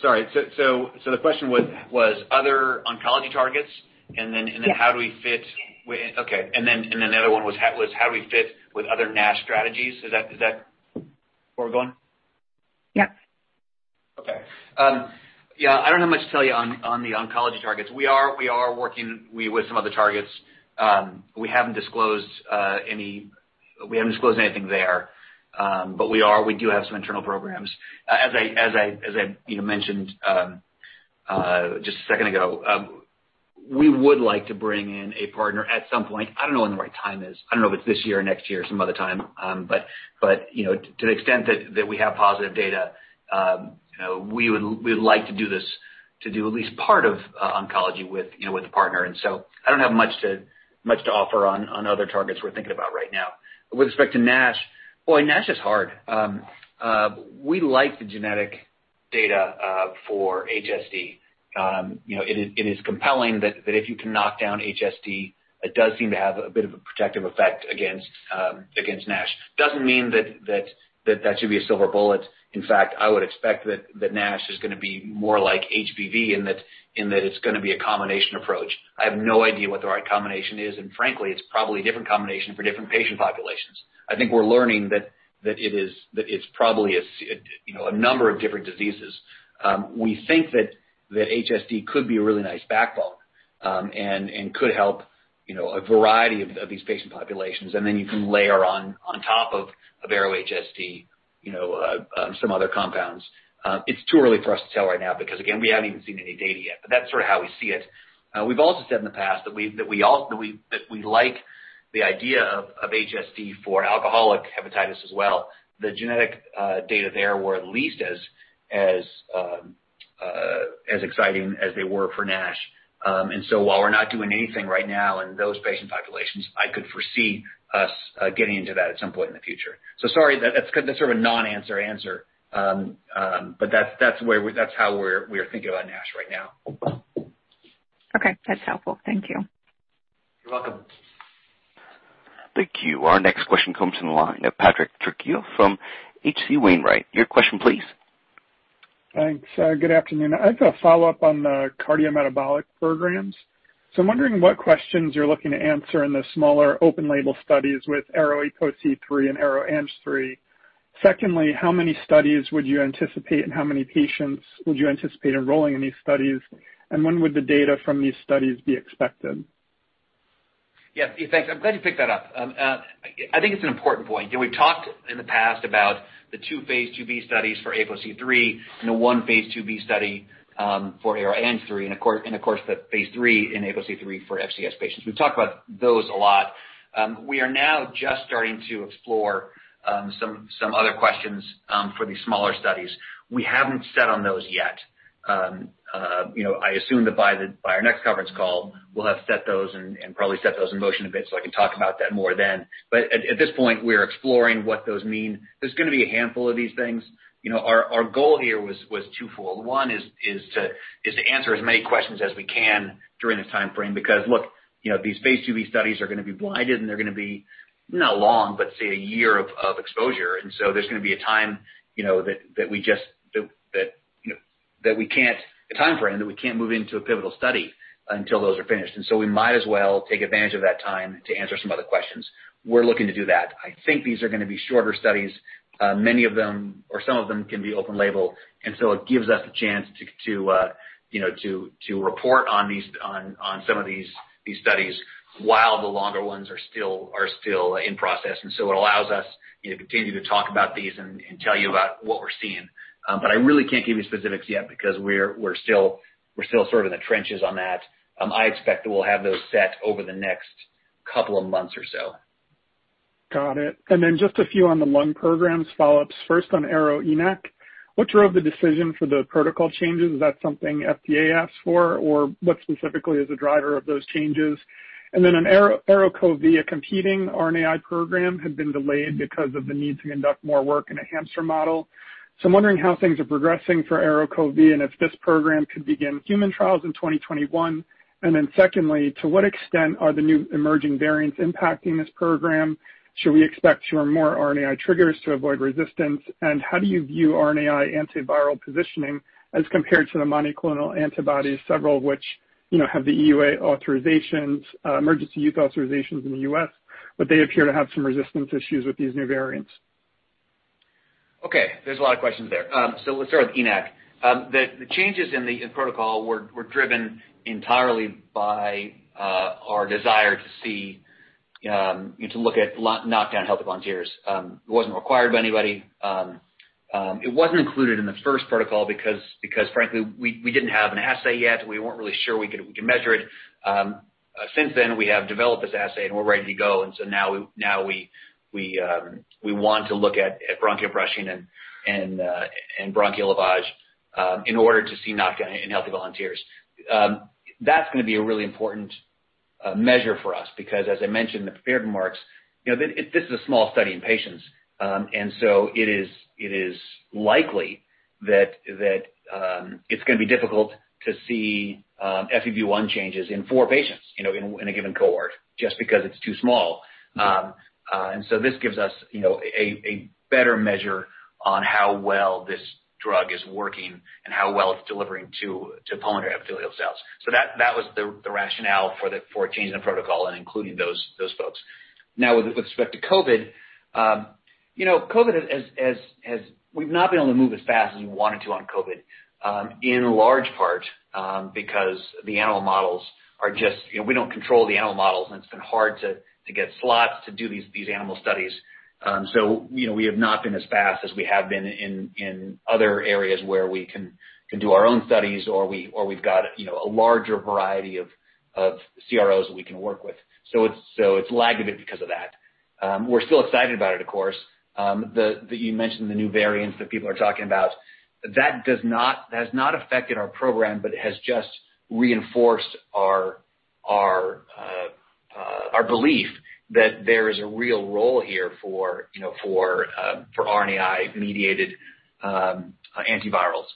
Speaker 3: Sorry. The question was other oncology targets?
Speaker 12: Yes
Speaker 3: How do we fit? Okay. The other one was how do we fit with other NASH strategies? Is that where we're going?
Speaker 12: Yep.
Speaker 3: Okay. Yeah, I don't have much to tell you on the oncology targets. We are working with some other targets. We haven't disclosed anything there, but we do have some internal programs. As I mentioned just a second ago, we would like to bring in a partner at some point. I don't know when the right time is. I don't know if it's this year or next year or some other time. To the extent that we have positive data, we'd like to do at least part of oncology with a partner. I don't have much to offer on other targets we're thinking about right now. With respect to NASH, boy, NASH is hard. We like the genetic data for HSD. It is compelling that if you can knock down HSD, it does seem to have a bit of a protective effect against NASH. Doesn't mean that should be a silver bullet. In fact, I would expect that NASH is going to be more like HBV in that it's going to be a combination approach. I have no idea what the right combination is, and frankly, it's probably a different combination for different patient populations. I think we're learning that it's probably a number of different diseases. We think that HSD could be a really nice backbone and could help a variety of these patient populations, and then you can layer on top of ARO-HSD some other compounds. It's too early for us to tell right now because, again, we haven't even seen any data yet, but that's sort of how we see it. We've also said in the past that we like the idea of HSD for alcoholic hepatitis as well. The genetic data there were at least as exciting as they were for NASH. While we're not doing anything right now in those patient populations, I could foresee us getting into that at some point in the future. Sorry, that's sort of a non-answer answer, but that's how we're thinking about NASH right now.
Speaker 12: Okay. That's helpful. Thank you.
Speaker 3: You're welcome.
Speaker 1: Thank you. Our next question comes from the line of Patrick Trucchio from H.C. Wainwright. Your question, please.
Speaker 13: Thanks. Good afternoon. I'd like to follow up on the cardiometabolic programs. I'm wondering what questions you're looking to answer in the smaller open label studies with ARO-APOC3 and ARO-ANG3. Secondly, how many studies would you anticipate and how many patients would you anticipate enrolling in these studies? When would the data from these studies be expected?
Speaker 3: Yeah. Thanks. I'm glad you picked that up. I think it's an important point. We've talked in the past about the two phase II-B studies for APOC3 and the one phase II-B study for ARO-ANG3, and of course, the phase III in APOC3 for FCS patients. We've talked about those a lot. We are now just starting to explore some other questions for these smaller studies. We haven't set on those yet. I assume that by our next conference call, we'll have set those and probably set those in motion a bit, so I can talk about that more then. At this point, we're exploring what those mean. There's going to be a handful of these things. Our goal here was twofold. One is to answer as many questions as we can during this timeframe because, look, these phase II-B studies are going to be blinded, and they're going to be, not long, but say, one year of exposure. There's going to be a timeframe that we can't move into a pivotal study until those are finished. We might as well take advantage of that time to answer some other questions. We're looking to do that. I think these are going to be shorter studies. Many of them or some of them can be open-label, and so it gives us a chance to report on some of these studies while the longer ones are still in process. It allows us to continue to talk about these and tell you about what we're seeing. I really can't give you specifics yet because we're still in the trenches on that. I expect that we'll have those set over the next couple of months or so.
Speaker 13: Got it. Just a few on the lung programs follow-ups. First on ARO-ENaC, what drove the decision for the protocol changes? Is that something FDA asked for, or what specifically is the driver of those changes? On ARO-COV, a competing RNAi program had been delayed because of the need to conduct more work in a hamster model. I'm wondering how things are progressing for ARO-COV and if this program could begin human trials in 2021. Secondly, to what extent are the new emerging variants impacting this program? Should we expect two or more RNAi triggers to avoid resistance? How do you view RNAi antiviral positioning as compared to the monoclonal antibodies, several of which have the EUA authorizations, Emergency Use Authorizations in the U.S., but they appear to have some resistance issues with these new variants.
Speaker 3: There's a lot of questions there. Let's start with ENaC. The changes in protocol were driven entirely by our desire to look at knockdown healthy volunteers. It wasn't required by anybody. It wasn't included in the first protocol because frankly, we didn't have an assay yet. We weren't really sure we could measure it. Since then, we have developed this assay, and we're ready to go. Now we want to look at bronchial brushing and bronchial lavage in order to see knockdown in healthy volunteers. That's going to be a really important measure for us because as I mentioned in the prepared remarks, this is a small study in patients. It's going to be difficult to see FEV1 changes in four patients in a given cohort, just because it's too small. This gives us a better measure on how well this drug is working and how well it's delivering to pulmonary epithelial cells. That was the rationale for changing the protocol and including those folks. Now with respect to COVID, we've not been able to move as fast as we wanted to on COVID, in large part because we don't control the animal models, and it's been hard to get slots to do these animal studies. We have not been as fast as we have been in other areas where we can do our own studies or we've got a larger variety of CROs that we can work with. It's lagged a bit because of that. We're still excited about it, of course. You mentioned the new variants that people are talking about. That has not affected our program, but it has just reinforced our belief that there is a real role here for RNAi-mediated antivirals.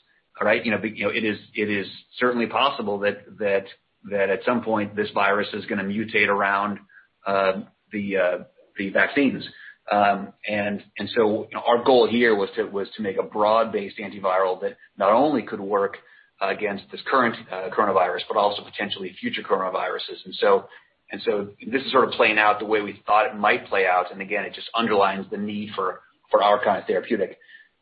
Speaker 3: It is certainly possible that at some point this virus is going to mutate around the vaccines. Our goal here was to make a broad-based antiviral that not only could work against this current coronavirus, but also potentially future coronaviruses. This is sort of playing out the way we thought it might play out, and again, it just underlines the need for our kind of therapeutic.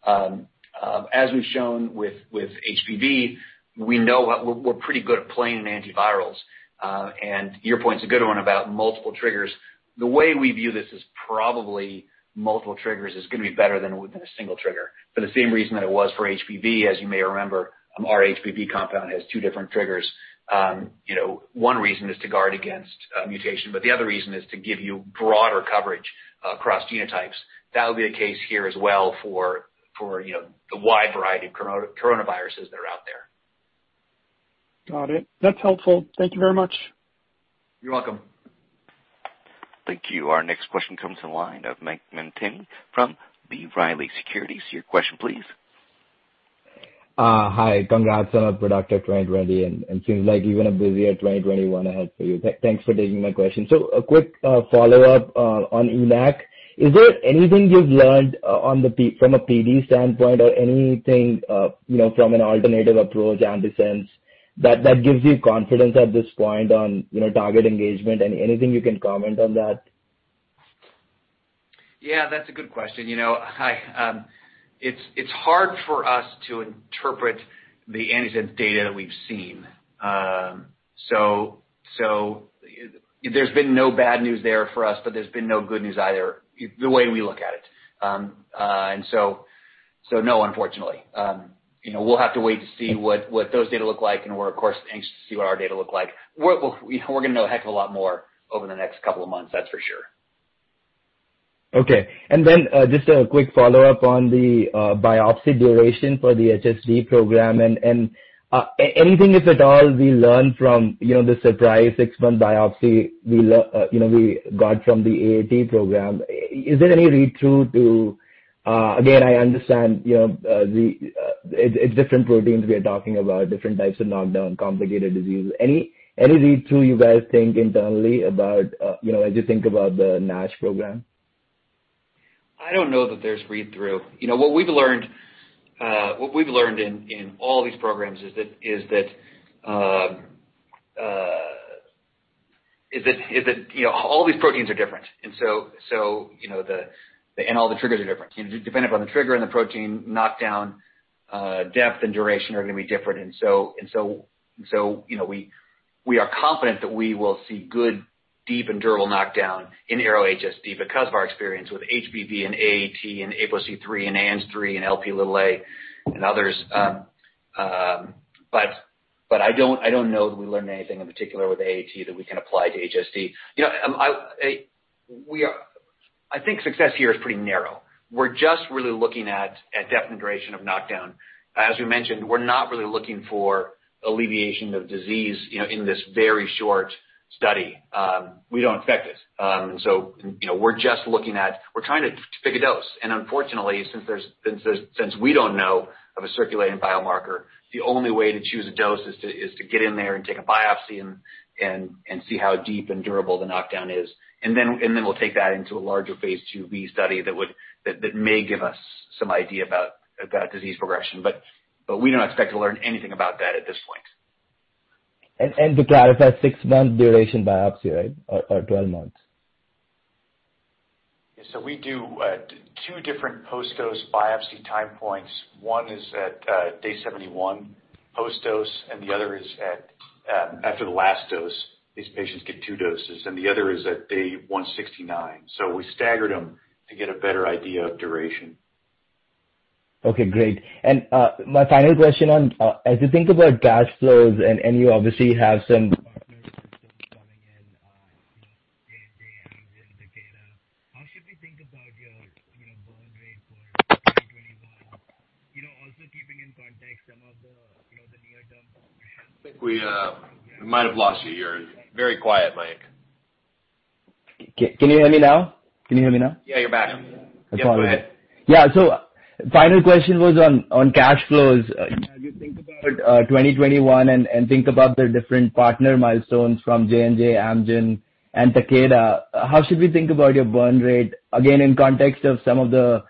Speaker 3: As we've shown with HBV, we know we're pretty good at playing in antivirals. Your point's a good one about multiple triggers. The way we view this is probably multiple triggers is going to be better than a single trigger for the same reason that it was for HBV. As you may remember, our HBV compound has two different triggers. One reason is to guard against mutation. The other reason is to give you broader coverage across genotypes. That'll be the case here as well for the wide variety of coronaviruses that are out there.
Speaker 13: Got it. That's helpful. Thank you very much.
Speaker 3: You're welcome.
Speaker 1: Thank you. Our next question comes in the line of Mayank Mamtani from B. Riley Securities. Your question, please.
Speaker 14: Hi. Congrats on a productive 2020, it seems like you've got a busier 2021 ahead for you. Thanks for taking my question. A quick follow-up on ENaC. Is there anything you've learned from a PD standpoint or anything from an alternative approach antisense that gives you confidence at this point on target engagement? Anything you can comment on that?
Speaker 3: Yeah, that's a good question. It's hard for us to interpret the antisense data that we've seen. There's been no bad news there for us, but there's been no good news either, the way we look at it. No, unfortunately. We'll have to wait to see what those data look like, and we're of course anxious to see what our data look like. We're going to know a heck of a lot more over the next couple of months, that's for sure.
Speaker 14: Okay. Then just a quick follow-up on the biopsy duration for the HSD program and anything, if at all, we learned from the surprise six-month biopsy we got from the AAT program. Is there any read-through, again, I understand it's different proteins we are talking about, different types of knockdown, complicated diseases, any read-through you guys think internally as you think about the NASH program?
Speaker 3: I don't know that there's read-through. What we've learned in all these programs is that all these proteins are different. All the triggers are different. Depending upon the trigger and the protein knockdown, depth and duration are going to be different. We are confident that we will see good, deep, and durable knockdown in ARO-HSD because of our experience with HBV and AAT and APOC3 and ANG3 and Lp and others. I don't know that we learned anything in particular with AAT that we can apply to HSD. I think success here is pretty narrow. We're just really looking at depth and duration of knockdown. As we mentioned, we're not really looking for alleviation of disease in this very short study. We don't expect it. We're trying to pick a dose. Unfortunately, since we don't know of a circulating biomarker, the only way to choose a dose is to get in there and take a biopsy and see how deep and durable the knockdown is. Then we'll take that into a larger phase II-B study that may give us some idea about disease progression. We don't expect to learn anything about that at this point.
Speaker 14: To clarify, six-month duration biopsy, right? Or 12 months?
Speaker 3: We do two different post-dose biopsy time points. One is at day 71 post-dose, and the other is after the last dose. These patients get two doses. The other is at day 169. We staggered them to get a better idea of duration.
Speaker 14: Okay, great. My final question on, as you think about cash flows, and you obviously have some partners coming in, J&J and Takeda. How should we think about your burn rate for 2021? Also keeping in context some of the near-term-
Speaker 3: I think we might have lost you. You're very quiet, Mayank.
Speaker 14: Can you hear me now?
Speaker 3: Yeah, you're back.
Speaker 14: Yeah. Final question was on cash flows. As you think about 2021 and think about the different partner milestones from J&J, Amgen and Takeda, how should we think about your burn rate, again, in context of some of the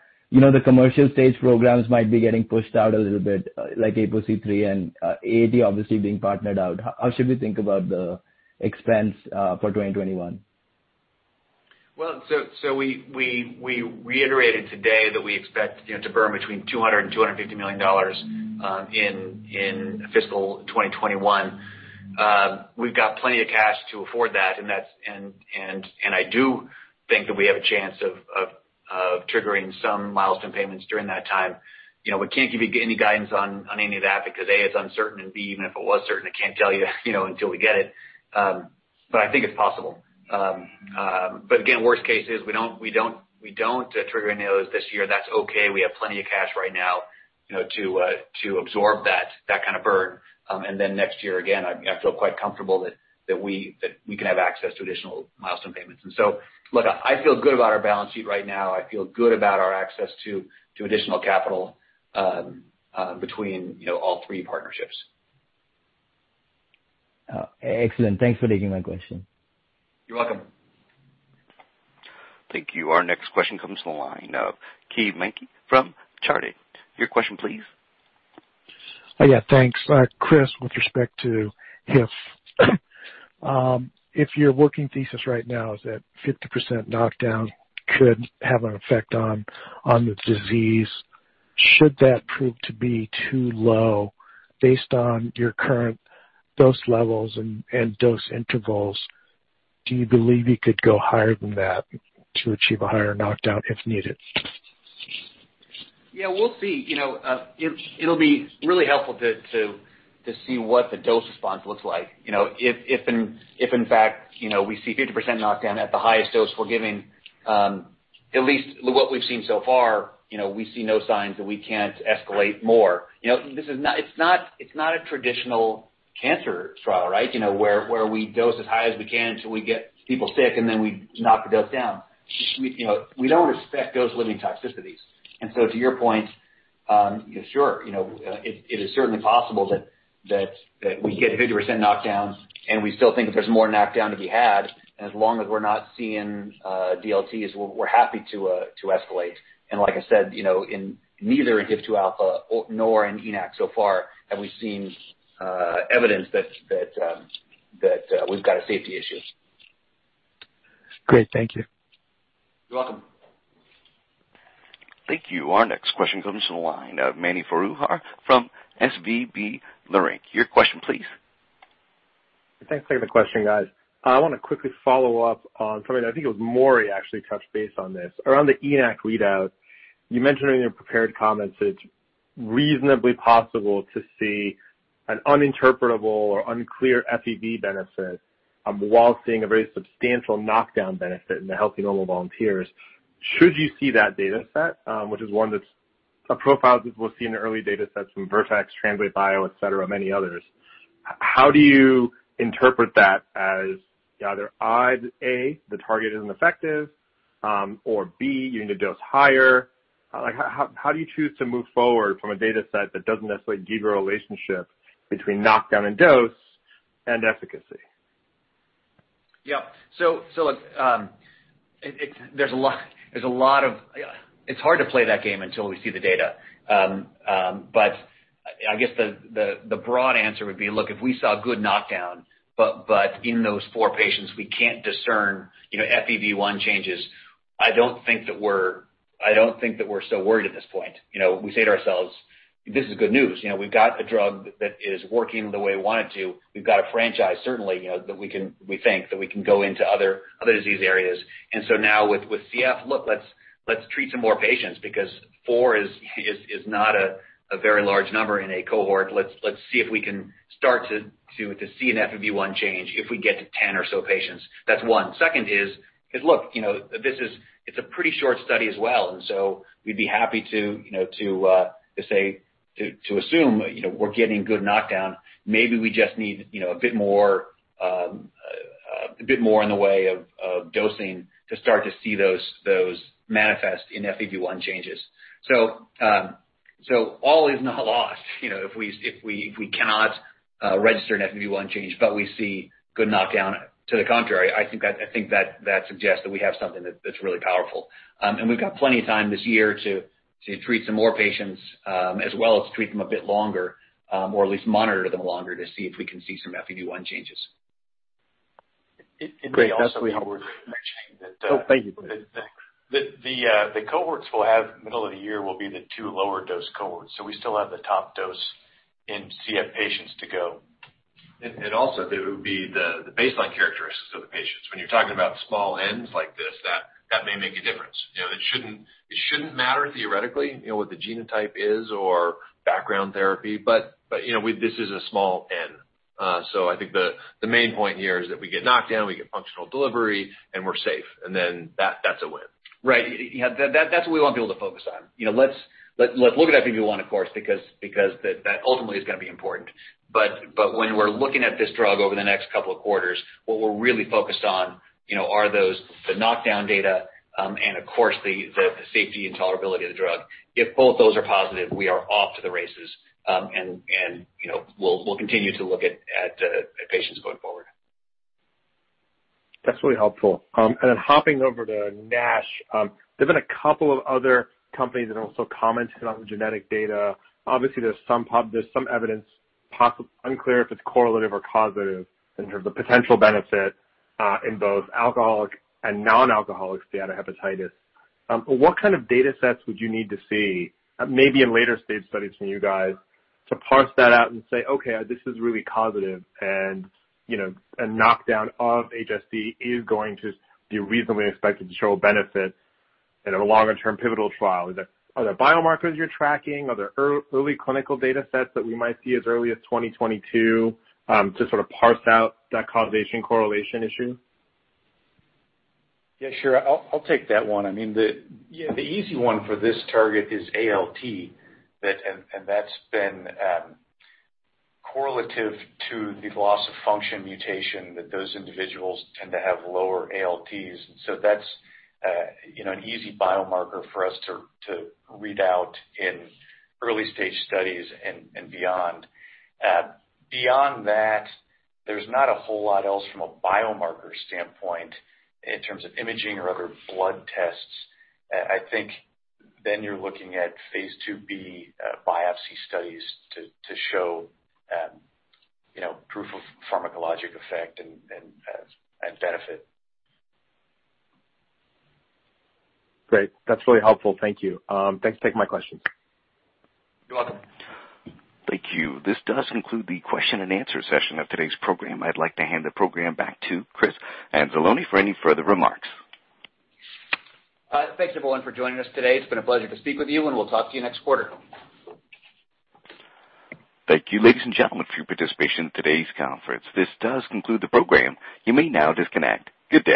Speaker 14: commercial stage programs might be getting pushed out a little bit, like APOC3 and AAT obviously being partnered out? How should we think about the expense for 2021?
Speaker 3: We reiterated today that we expect to burn between $200 million and $250 million in fiscal 2021. We've got plenty of cash to afford that. I do think that we have a chance of triggering some milestone payments during that time. We can't give you any guidance on any of that, because A, it's uncertain, and B, even if it was certain, I can't tell you until we get it. I think it's possible. Again, worst case is we don't trigger any of those this year. That's okay. We have plenty of cash right now to absorb that kind of burn. Next year, again, I feel quite comfortable that we can have access to additional milestone payments. Look, I feel good about our balance sheet right now. I feel good about our access to additional capital between all three partnerships.
Speaker 14: Excellent. Thanks for taking my question.
Speaker 3: You're welcome.
Speaker 1: Thank you. Our next question comes from the line of Keay Nakae from Chardan. Your question, please.
Speaker 15: Yeah, thanks. Chris, with respect to if your working thesis right now is that 50% knockdown could have an effect on the disease, should that prove to be too low based on your current dose levels and dose intervals, do you believe you could go higher than that to achieve a higher knockdown if needed?
Speaker 3: Yeah. We'll see. It'll be really helpful to see what the dose response looks like. If in fact we see 50% knockdown at the highest dose we're giving, at least what we've seen so far, we see no signs that we can't escalate more. It's not a traditional cancer trial, where we dose as high as we can till we get people sick and then we knock the dose down. We don't expect dose-limiting toxicities. To your point, sure, it is certainly possible that we get 50% knockdown and we still think that there's more knockdown to be had. As long as we're not seeing DLTs, we're happy to escalate. Like I said, neither in HIF2α nor in ENaC so far have we seen evidence that we've got a safety issue.
Speaker 15: Great. Thank you.
Speaker 3: You're welcome.
Speaker 1: Thank you. Our next question comes from the line of Mani Foroohar from SVB Leerink. Your question, please.
Speaker 16: Thanks for taking the question, guys. I want to quickly follow up on something, I think it was Maury actually touched base on this. Around the ENaC readout, you mentioned in your prepared comments it's reasonably possible to see an uninterpretable or unclear FEV benefit while seeing a very substantial knockdown benefit in the healthy normal volunteers. Should you see that data set, which is one that's a profile that we'll see in the early data sets from Vertex, Translate Bio, et cetera, many others. How do you interpret that as either A, the target isn't effective, or B, you need to dose higher? How do you choose to move forward from a data set that doesn't necessarily give you a relationship between knockdown and dose and efficacy?
Speaker 3: Yeah. Look, it's hard to play that game until we see the data. I guess the broad answer would be, look, if we saw good knockdown, but in those four patients, we can't discern FEV1 changes. I don't think that we're so worried at this point. We say to ourselves, this is good news. We've got a drug that is working the way we want it to. We've got a franchise, certainly, we think that we can go into other disease areas. Now with CF, look, let's treat some more patients because four is not a very large number in a cohort. Let's see if we can start to see an FEV1 change if we get to 10 or so patients. That's one. Second is, look, it's a pretty short study as well, we'd be happy to assume we're getting good knockdown. Maybe we just need a bit more in the way of dosing to start to see those manifest in FEV1 changes. All is not lost if we cannot register an FEV1 change, but we see good knockdown. To the contrary, I think that suggests that we have something that's really powerful. We've got plenty of time this year to treat some more patients, as well as to treat them a bit longer, or at least monitor them longer to see if we can see some FEV1 changes.
Speaker 16: Great. That's really helpful.
Speaker 3: The cohorts we'll have middle of the year will be the two lower dose cohorts, so we still have the top dose in CF patients to go.
Speaker 4: Also, it would be the baseline characteristics of the patients. When you're talking about small Ns like this, that may make a difference. It shouldn't matter theoretically, what the genotype is or background therapy, but this is a small N. I think the main point here is that we get knockdown, we get functional delivery, and we're safe, and that's a win.
Speaker 3: Right. That's what we want people to focus on. Let's look at FEV1, of course, because that ultimately is going to be important. When we're looking at this drug over the next couple of quarters, what we're really focused on are the knockdown data, and of course, the safety and tolerability of the drug. If both those are positive, we are off to the races. We'll continue to look at patients going forward.
Speaker 16: That's really helpful. Then hopping over to NASH. There've been a couple of other companies that have also commented on the genetic data. Obviously, there's some evidence, unclear if it's correlative or causative in terms of potential benefit, in both alcoholic and non-alcoholic steatohepatitis. What kind of data sets would you need to see, maybe in later-stage studies from you guys, to parse that out and say, okay, this is really causative, and a knockdown of HSD is going to be reasonably expected to show a benefit in a longer-term pivotal trial? Are there biomarkers you're tracking? Are there early clinical data sets that we might see as early as 2022 to sort of parse out that causation correlation issue?
Speaker 4: Yeah, sure. I'll take that one. The easy one for this target is ALT, and that's been correlative to the loss-of-function mutation that those individuals tend to have lower ALTs. That's an easy biomarker for us to read out in early-stage studies and beyond. Beyond that, there's not a whole lot else from a biomarker standpoint in terms of imaging or other blood tests. I think then you're looking at phase II-B biopsy studies to show proof of pharmacologic effect and benefit.
Speaker 16: Great. That's really helpful. Thank you. Thanks for taking my questions.
Speaker 3: You're welcome.
Speaker 1: Thank you. This does conclude the question and answer session of today's program. I'd like to hand the program back to Chris Anzalone for any further remarks.
Speaker 3: Thanks, everyone, for joining us today. It's been a pleasure to speak with you, and we'll talk to you next quarter.
Speaker 1: Thank you, ladies and gentlemen, for your participation in today's conference. This does conclude the program. You may now disconnect. Good day.